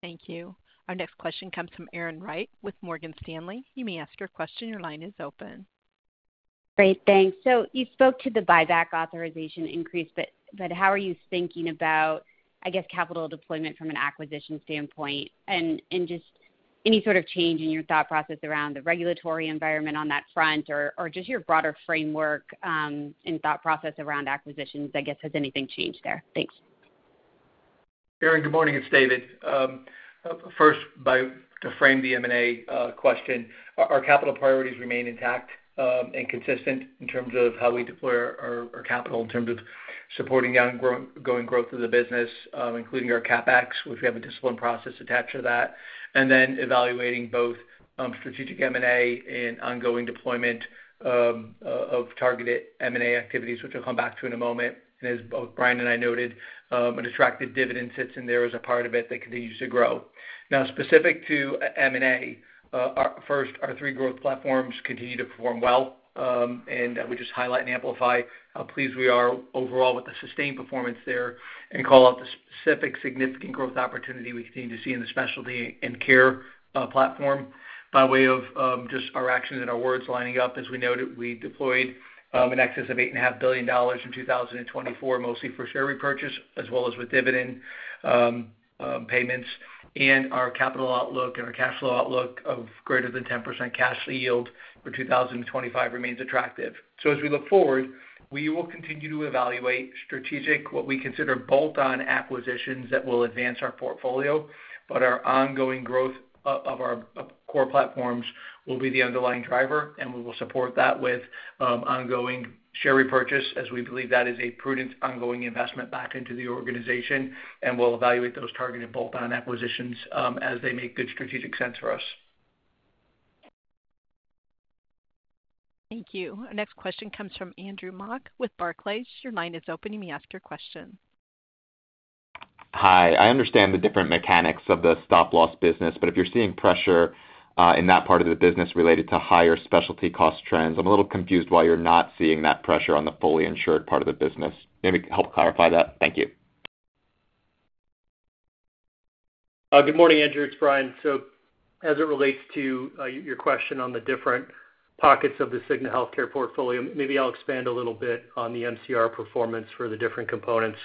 Thank you. Our next question comes from Erin Wright with Morgan Stanley. You may ask your question. Your line is open.. Great. Thanks. So you spoke to the buyback authorization increase, but how are you thinking about, I guess, capital deployment from an acquisition standpoint? And just any sort of change in your thought process around the regulatory environment on that front, or just your broader framework and thought process around acquisitions, I guess, has anything changed there? Thanks. Erin, good morning. It's David. First, to frame the M&A question, our capital priorities remain intact and consistent in terms of how we deploy our capital in terms of supporting the ongoing growth of the business, including our CapEx, which we have a disciplined process attached to that, and then evaluating both strategic M&A and ongoing deployment of targeted M&A activities, which I'll come back to in a moment, and as both Brian and I noted, an attractive dividend sits in there as a part of it that continues to grow. Now, specific to M&A, first, our three growth platforms continue to perform well, we just highlight and amplify how pleased we are overall with the sustained performance there and call out the specific significant growth opportunity we continue to see in the specialty and care platform by way of just our actions and our words lining up. As we noted, we deployed an excess of $8.5 billion in 2024, mostly for share repurchase, as well as with dividend payments. And our capital outlook and our cash flow outlook of greater than 10% cash yield for 2025 remains attractive. So as we look forward, we will continue to evaluate strategic, what we consider bolt-on acquisitions that will advance our portfolio, but our ongoing growth of our core platforms will be the underlying driver. And we will support that with ongoing share repurchase, as we believe that is a prudent ongoing investment back into the organization. And we'll evaluate those targeted bolt-on acquisitions as they make good strategic sense for us. Thank you. Our next question comes from Andrew Mok with Barclays. Your line is open. You may ask your question. Hi. I understand the different mechanics of the stop-loss business, but if you're seeing pressure in that part of the business related to higher specialty cost trends, I'm a little confused why you're not seeing that pressure on the fully insured part of the business. Maybe help clarify that. Thank you. Good morning, Andrew. It's Brian. So as it relates to your question on the different pockets of the Cigna Healthcare portfolio, maybe I'll expand a little bit on the MCR performance for the different components.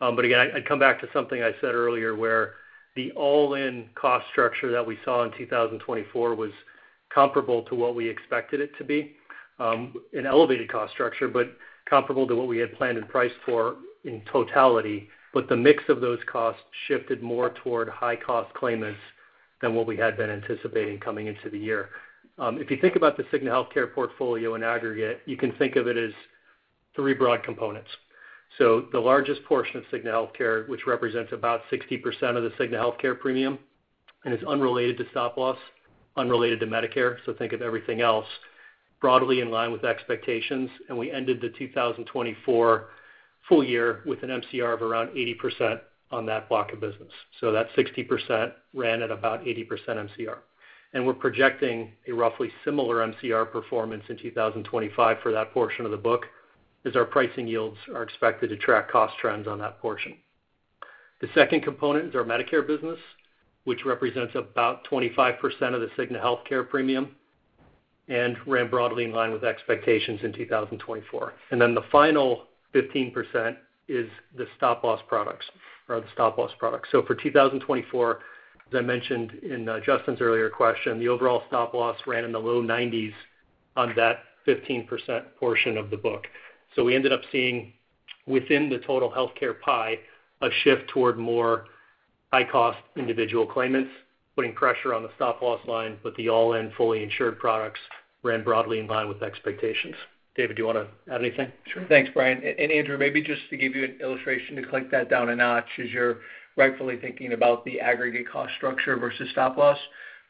But again, I'd come back to something I said earlier where the all-in cost structure that we saw in 2024 was comparable to what we expected it to be, an elevated cost structure, but comparable to what we had planned and priced for in totality. But the mix of those costs shifted more toward high-cost claimants than what we had been anticipating coming into the year. If you think about the Cigna Healthcare portfolio in aggregate, you can think of it as three broad components. So the largest portion of Cigna Healthcare, which represents about 60% of the Cigna Healthcare premium and is unrelated to stop-loss, unrelated to Medicare, so think of everything else, broadly in line with expectations. And we ended the 2024 full year with an MCR of around 80% on that block of business. So that 60% ran at about 80% MCR. And we're projecting a roughly similar MCR performance in 2025 for that portion of the book, as our pricing yields are expected to track cost trends on that portion. The second component is our Medicare business, which represents about 25% of the Cigna Healthcare premium and ran broadly in line with expectations in 2024. And then the final 15% is the stop-loss products. So for 2024, as I mentioned in Justin's earlier question, the overall stop-loss ran in the low 90s on that 15% portion of the book. So we ended up seeing within the total healthcare pie a shift toward more high-cost individual claimants, putting pressure on the stop-loss line, but the all-in fully insured products ran broadly in line with expectations. David, do you want to add anything? Sure. Thanks, Brian. And Andrew, maybe just to give you an illustration to click that down a notch as you're rightfully thinking about the aggregate cost structure versus stop-loss.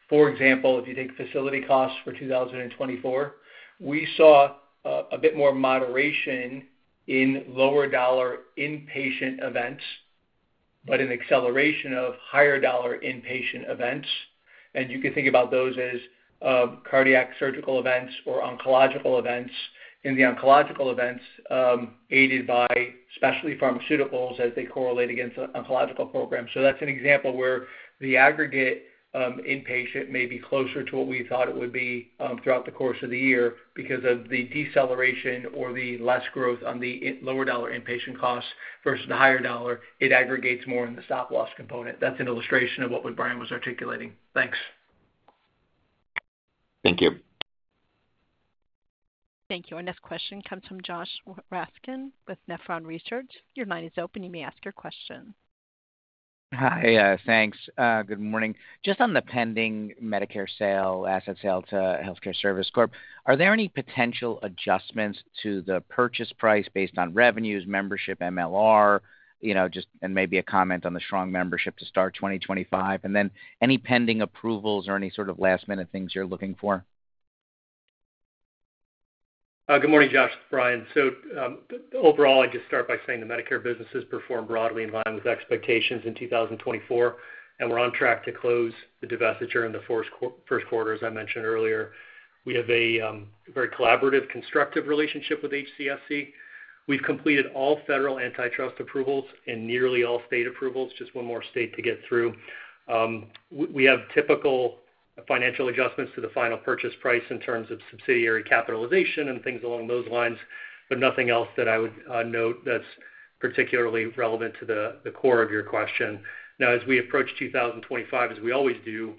For example, if you take facility costs for 2024, we saw a bit more moderation in lower-dollar inpatient events, but an acceleration of higher-dollar inpatient events, and you could think about those as cardiac surgical events or oncological events in the oncological events aided by specialty pharmaceuticals, as they correlate against the oncological program. So that's an example where the aggregate inpatient may be closer to what we thought it would be throughout the course of the year because of the deceleration or the less growth on the lower-dollar inpatient costs versus the higher dollar. It aggregates more in the stop-loss component. That's an illustration of what Brian was articulating. Thanks. Thank you. Thank you. Our next question comes from Josh Raskin with Nephron Research. Your line is open. You may ask your question. Hi. Thanks. Good morning. Just on the pending Medicare sale, asset sale to Health Care Service Corporation, are there any potential adjustments to the purchase price based on revenues, membership, MLR, and maybe a comment on the strong membership to start 2025? And then any pending approvals or any sort of last-minute things you're looking for? Good morning, Josh. Brian. So overall, I'd just start by saying the Medicare business has performed broadly in line with expectations in 2024, and we're on track to close the divestiture in the first quarter, as I mentioned earlier. We have a very collaborative, constructive relationship with HCSC. We've completed all federal antitrust approvals and nearly all state approvals. Just one more state to get through. We have typical financial adjustments to the final purchase price in terms of subsidiary capitalization and things along those lines, but nothing else that I would note that's particularly relevant to the core of your question. Now, as we approach 2025, as we always do,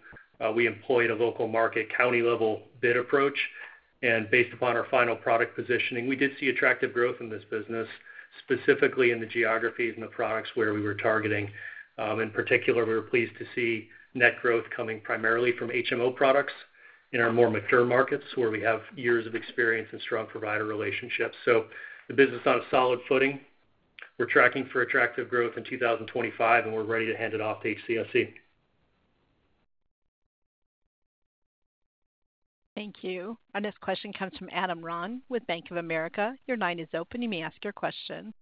we employed a local market county-level bid approach. And based upon our final product positioning, we did see attractive growth in this business, specifically in the geographies and the products where we were targeting. In particular, we were pleased to see net growth coming primarily from HMO products in our more mature markets where we have years of experience and strong provider relationships. So the business is on a solid footing. We're tracking for attractive growth in 2025, and we're ready to hand it off to HCSC. Thank you. Our next question comes from Adam Ron with Bank of America. Your line is open. You may ask your question.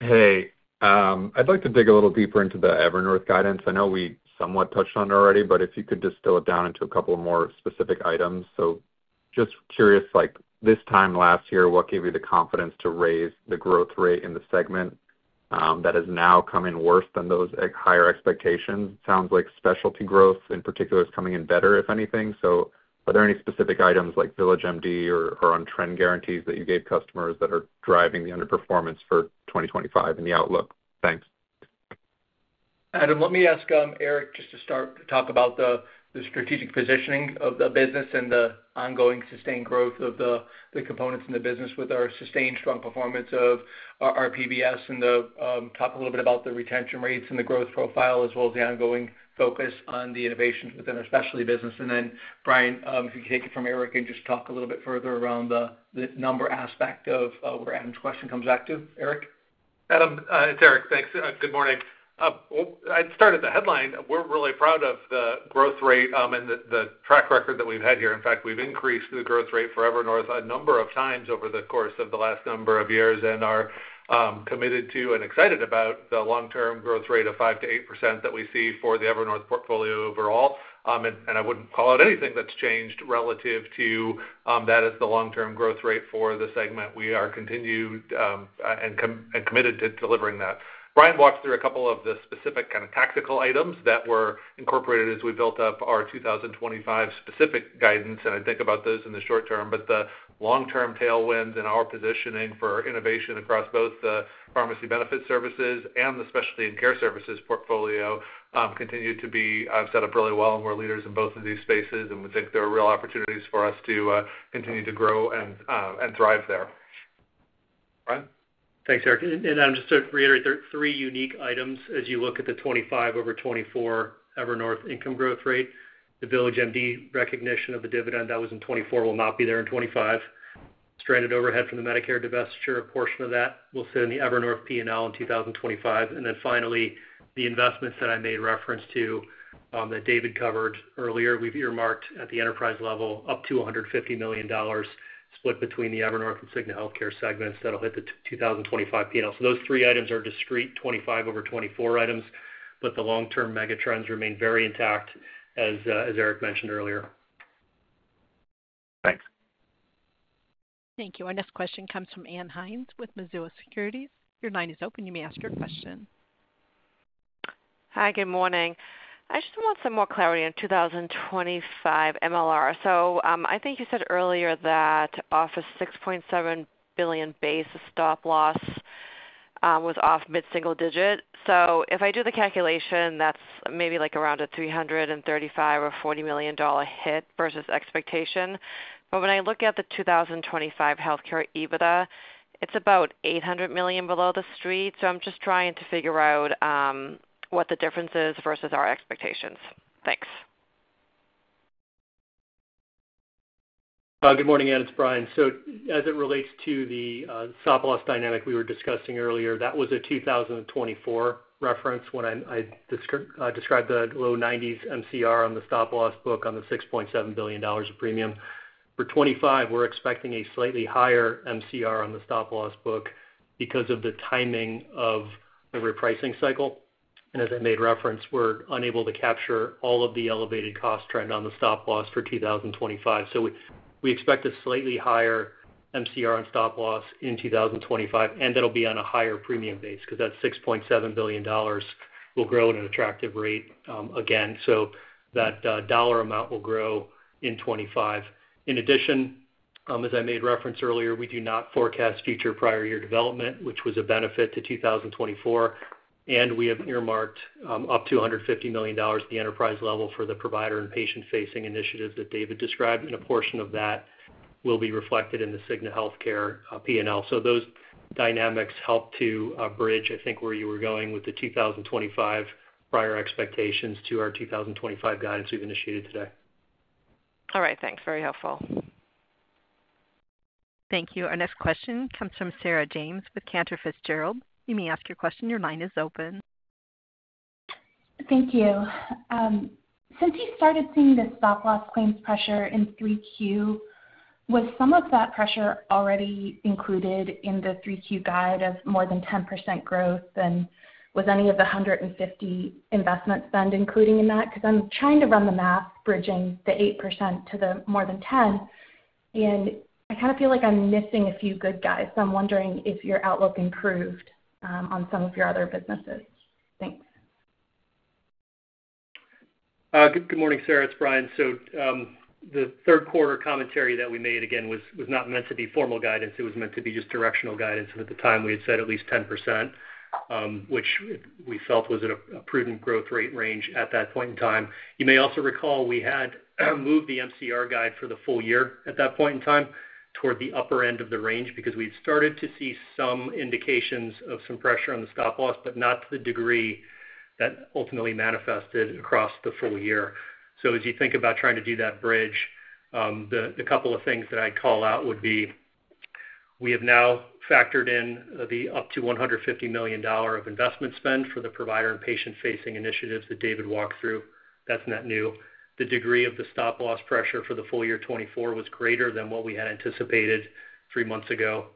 Hey. I'd like to dig a little deeper into the Evernorth guidance. I know we somewhat touched on it already, but if you could distill it down into a couple more specific items. So just curious, this time last year, what gave you the confidence to raise the growth rate in the segment that has now come in worse than those higher expectations? It sounds like specialty growth, in particular, is coming in better, if anything. So are there any specific items like VillageMD or on-trend guarantees that you gave customers that are driving the underperformance for 2025 in the outlook? Thanks. Adam, let me ask Eric just to start to talk about the strategic positioning of the business and the ongoing sustained growth of the components in the business with our sustained strong performance of our PBS and talk a little bit about the retention rates and the growth profile, as well as the ongoing focus on the innovations within our specialty business. And then, Brian, if you could take it from Eric and just talk a little bit further around the number aspect of where Adam's question comes back to. Eric? Adam, it's Eric. Thanks. Good morning. I'd start at the headline. We're really proud of the growth rate and the track record that we've had here. In fact, we've increased the growth rate for Evernorth a number of times over the course of the last number of years and are committed to and excited about the long-term growth rate of 5%-8% that we see for the Evernorth portfolio overall. And I wouldn't call out anything that's changed relative to that as the long-term growth rate for the segment. We are continued and committed to delivering that. Brian walked through a couple of the specific kind of tactical items that were incorporated as we built up our 2025 specific guidance. And I think about those in the short term, but the long-term tailwinds and our positioning for innovation across both the pharmacy benefit services and the specialty and care services portfolio continue to be set up really well. And we're leaders in both of these spaces, and we think there are real opportunities for us to continue to grow and thrive there. Brian? Thanks, Eric. And Adam, just to reiterate, there are three unique items as you look at the 2025 over 2024 Evernorth income growth rate. The VillageMD recognition of the dividend that was in 2024 will not be there in 2025. Stranded overhead from the Medicare divestiture portion of that will sit in the Evernorth P&L in 2025. And then finally, the investments that I made reference to that David covered earlier, we've earmarked at the enterprise level up to $150 million split between the Evernorth and Cigna Healthcare segments that will hit the 2025 P&L. So those three items are discrete 2025 over 2024 items, but the long-term mega trends remain very intact, as Eric mentioned earlier. Thanks. Thank you. Our next question comes from Ann Hynes with Mizuho Securities. Your line is open. You may ask your question. Hi. Good morning. I just want some more clarity on 2025 MLR. So I think you said earlier that off a $6.7 billion base stop-loss was off mid-single digit. So if I do the calculation, that's maybe around a $335 million or $340 million hit versus expectation. But when I look at the 2025 healthcare EBITDA, it's about $800 million below the street. So I'm just trying to figure out what the difference is versus our expectations. Thanks. Good morning, Ann. It's Brian. So as it relates to the stop-loss dynamic we were discussing earlier, that was a 2024 reference when I described the low 90s MCR on the stop-loss book on the $6.7 billion of premium. For 2025, we're expecting a slightly higher MCR on the stop-loss book because of the timing of the repricing cycle, and as I made reference, we're unable to capture all of the elevated cost trend on the stop-loss for 2025, so we expect a slightly higher MCR on stop-loss in 2025, and that'll be on a higher premium base because that $6.7 billion will grow at an attractive rate again, so that dollar amount will grow in 2025. In addition, as I made reference earlier, we do not forecast future prior year development, which was a benefit to 2024, and we have earmarked up to $150 million at the enterprise level for the provider and patient-facing initiatives that David described, and a portion of that will be reflected in the Cigna Healthcare P&L. So those dynamics help to bridge, I think, where you were going with the 2025 prior expectations to our 2025 guidance we've initiated today. All right. Thanks. Very helpful. Thank you. Our next question comes from Sarah James with Cantor Fitzgerald. You may ask your question. Your line is open. Thank you. Since you started seeing the stop-loss claims pressure in 3Q, was some of that pressure already included in the 3Q guide of more than 10% growth? And was any of the 150 investment spend included in that? Because I'm trying to run the math, bridging the 8% to the more than 10%. And I kind of feel like I'm missing a few good guys. So I'm wondering if your outlook improved on some of your other businesses. Thanks. Good morning, Sarah. It's Brian. The third quarter commentary that we made again was not meant to be formal guidance. It was meant to be just directional guidance. At the time, we had said at least 10%, which we felt was a prudent growth rate range at that point in time. You may also recall we had moved the MCR guide for the full year at that point in time toward the upper end of the range because we had started to see some indications of some pressure on the stop-loss, but not to the degree that ultimately manifested across the full year. As you think about trying to do that bridge, the couple of things that I'd call out would be we have now factored in the up to $150 million of investment spend for the provider and patient-facing initiatives that David walked through. That's net new. The degree of the stop-loss pressure for the full year 2024 was greater than what we had anticipated three months ago.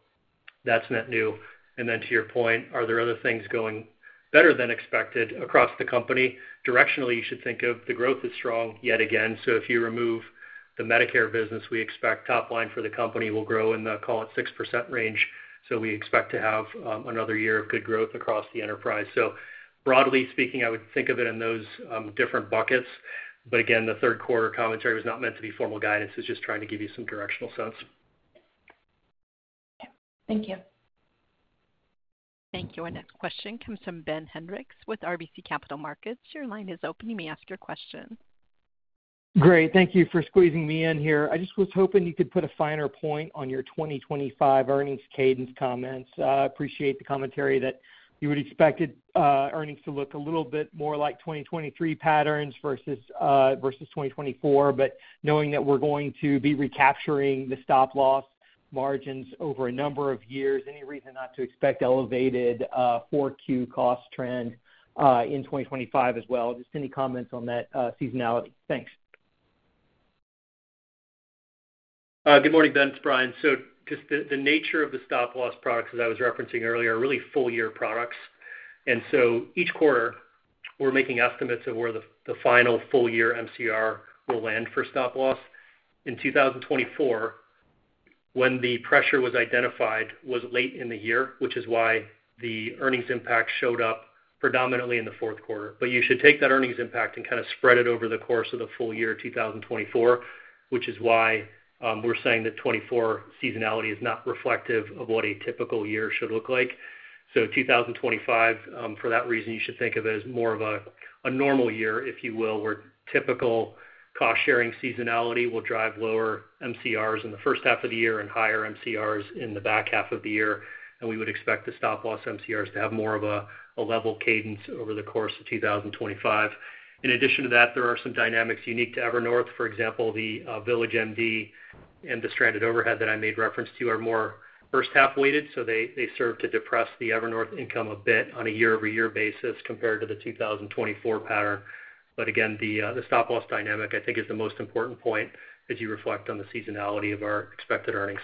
That's net new. And then to your point, are there other things going better than expected across the company? Directionally, you should think of the growth is strong yet again. So if you remove the Medicare business, we expect top line for the company will grow in the, call it, 6% range. So we expect to have another year of good growth across the enterprise. So broadly speaking, I would think of it in those different buckets. But again, the third quarter commentary was not meant to be formal guidance. It's just trying to give you some directional sense. Thank you. Thank you. Our next question comes from Ben Hendrix with RBC Capital Markets. Your line is open. You may ask your question. Great. Thank you for squeezing me in here. I just was hoping you could put a finer point on your 2025 earnings cadence comments. I appreciate the commentary that you would expect earnings to look a little bit more like 2023 patterns versus 2024. But knowing that we're going to be recapturing the stop-loss margins over a number of years, any reason not to expect elevated 4Q cost trend in 2025 as well? Just any comments on that seasonality? Thanks. Good morning, Ben. It's Brian. So just the nature of the stop-loss products, as I was referencing earlier, are really full-year products. And so each quarter, we're making estimates of where the final full-year MCR will land for stop-loss. In 2024, when the pressure was identified, it was late in the year, which is why the earnings impact showed up predominantly in the fourth quarter. But you should take that earnings impact and kind of spread it over the course of the full year of 2024, which is why we're saying that 2024 seasonality is not reflective of what a typical year should look like. So 2025, for that reason, you should think of it as more of a normal year, if you will, where typical cost-sharing seasonality will drive lower MCRs in the first half of the year and higher MCRs in the back half of the year. And we would expect the stop-loss MCRs to have more of a level cadence over the course of 2025. In addition to that, there are some dynamics unique to Evernorth. For example, the VillageMD and the stranded overhead that I made reference to are more first-half weighted. So they serve to depress the Evernorth income a bit on a year-over-year basis compared to the 2024 pattern. But again, the stop-loss dynamic, I think, is the most important point as you reflect on the seasonality of our expected earnings.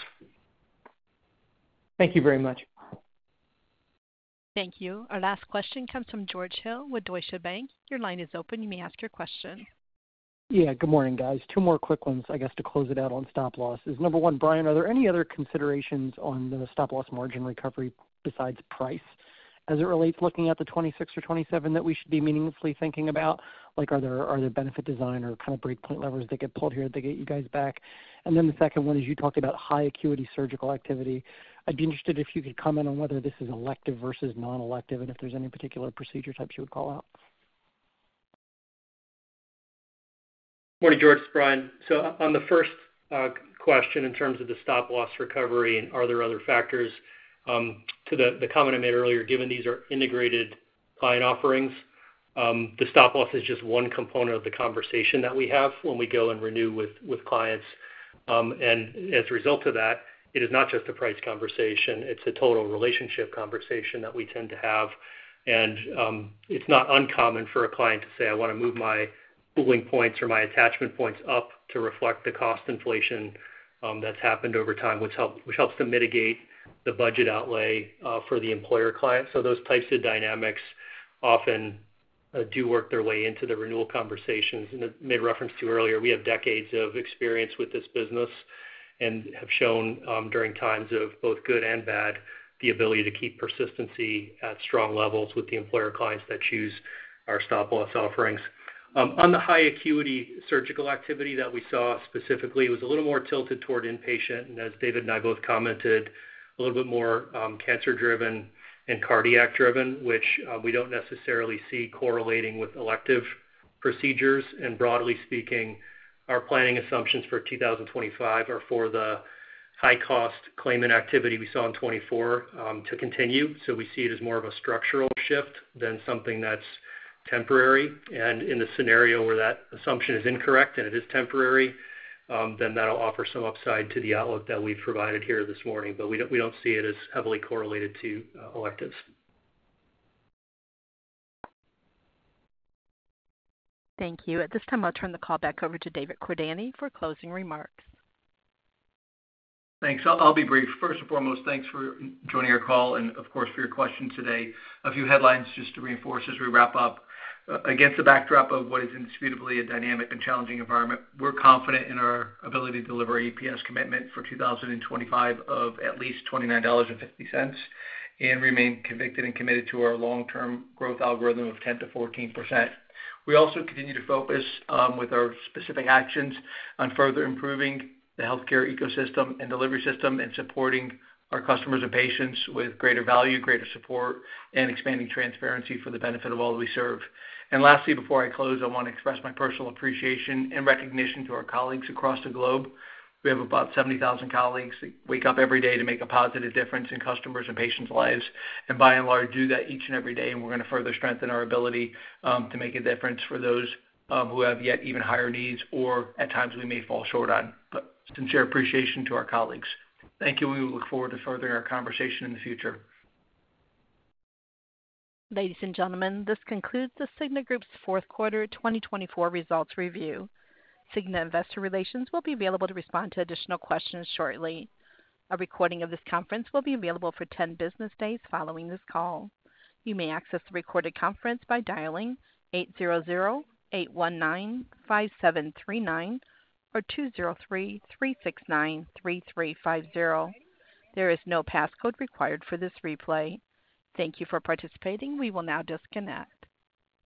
Thank you very much. Thank you. Our last question comes from George Hill with Deutsche Bank. Your line is open. You may ask your question. Yeah. Good morning, guys. Two more quick ones, I guess, to close it out on stop-loss. Number one, Brian, are there any other considerations on the stop-loss margin recovery besides price as it relates to looking at the 2026 or 2027 that we should be meaningfully thinking about? Are there benefit design or kind of breakpoint levers that get pulled here that get you guys back? And then the second one is you talked about high acuity surgical activity. I'd be interested if you could comment on whether this is elective versus non-elective and if there's any particular procedure types you would call out? Morning, George. Brian. So on the first question in terms of the stop-loss recovery, are there other factors? To the comment I made earlier, given these are integrated client offerings, the stop-loss is just one component of the conversation that we have when we go and renew with clients. And as a result of that, it is not just a price conversation. It's a total relationship conversation that we tend to have. And it's not uncommon for a client to say, "I want to move my pooling points or my attachment points up to reflect the cost inflation that's happened over time," which helps to mitigate the budget outlay for the employer client. Those types of dynamics often do work their way into the renewal conversations. As made reference to earlier, we have decades of experience with this business and have shown during times of both good and bad the ability to keep persistency at strong levels with the employer clients that choose our stop-loss offerings. On the high acuity surgical activity that we saw specifically, it was a little more tilted toward inpatient. As David and I both commented, a little bit more cancer-driven and cardiac-driven, which we don't necessarily see correlating with elective procedures. Broadly speaking, our planning assumptions for 2025 are for the high-cost claimant activity we saw in 2024 to continue. We see it as more of a structural shift than something that's temporary. And in the scenario where that assumption is incorrect and it is temporary, then that'll offer some upside to the outlook that we've provided here this morning. But we don't see it as heavily correlated to electives. Thank you. At this time, I'll turn the call back over to David Cordani for closing remarks. Thanks. I'll be brief. First and foremost, thanks for joining our call and, of course, for your question today. A few headlines just to reinforce as we wrap up. Against the backdrop of what is indisputably a dynamic and challenging environment, we're confident in our ability to deliver EPS commitment for 2025 of at least $29.50 and remain convicted and committed to our long-term growth algorithm of 10%-14%. We also continue to focus with our specific actions on further improving the healthcare ecosystem and delivery system and supporting our customers and patients with greater value, greater support, and expanding transparency for the benefit of all that we serve. And lastly, before I close, I want to express my personal appreciation and recognition to our colleagues across the globe. We have about 70,000 colleagues that wake up every day to make a positive difference in customers' and patients' lives and, by and large, do that each and every day. And we're going to further strengthen our ability to make a difference for those who have yet even higher needs or, at times, we may fall short on. But sincere appreciation to our colleagues. Thank you, and we look forward to furthering our conversation in the future. Ladies and gentlemen, this concludes The Cigna Group's Fourth Quarter 2024 Results Review. Cigna Investor Relations will be available to respond to additional questions shortly. A recording of this conference will be available for 10 business days following this call. You may access the recorded conference by dialing 800-819-5739 or 203-369-3350. There is no passcode required for this replay. Thank you for participating. We will now disconnect.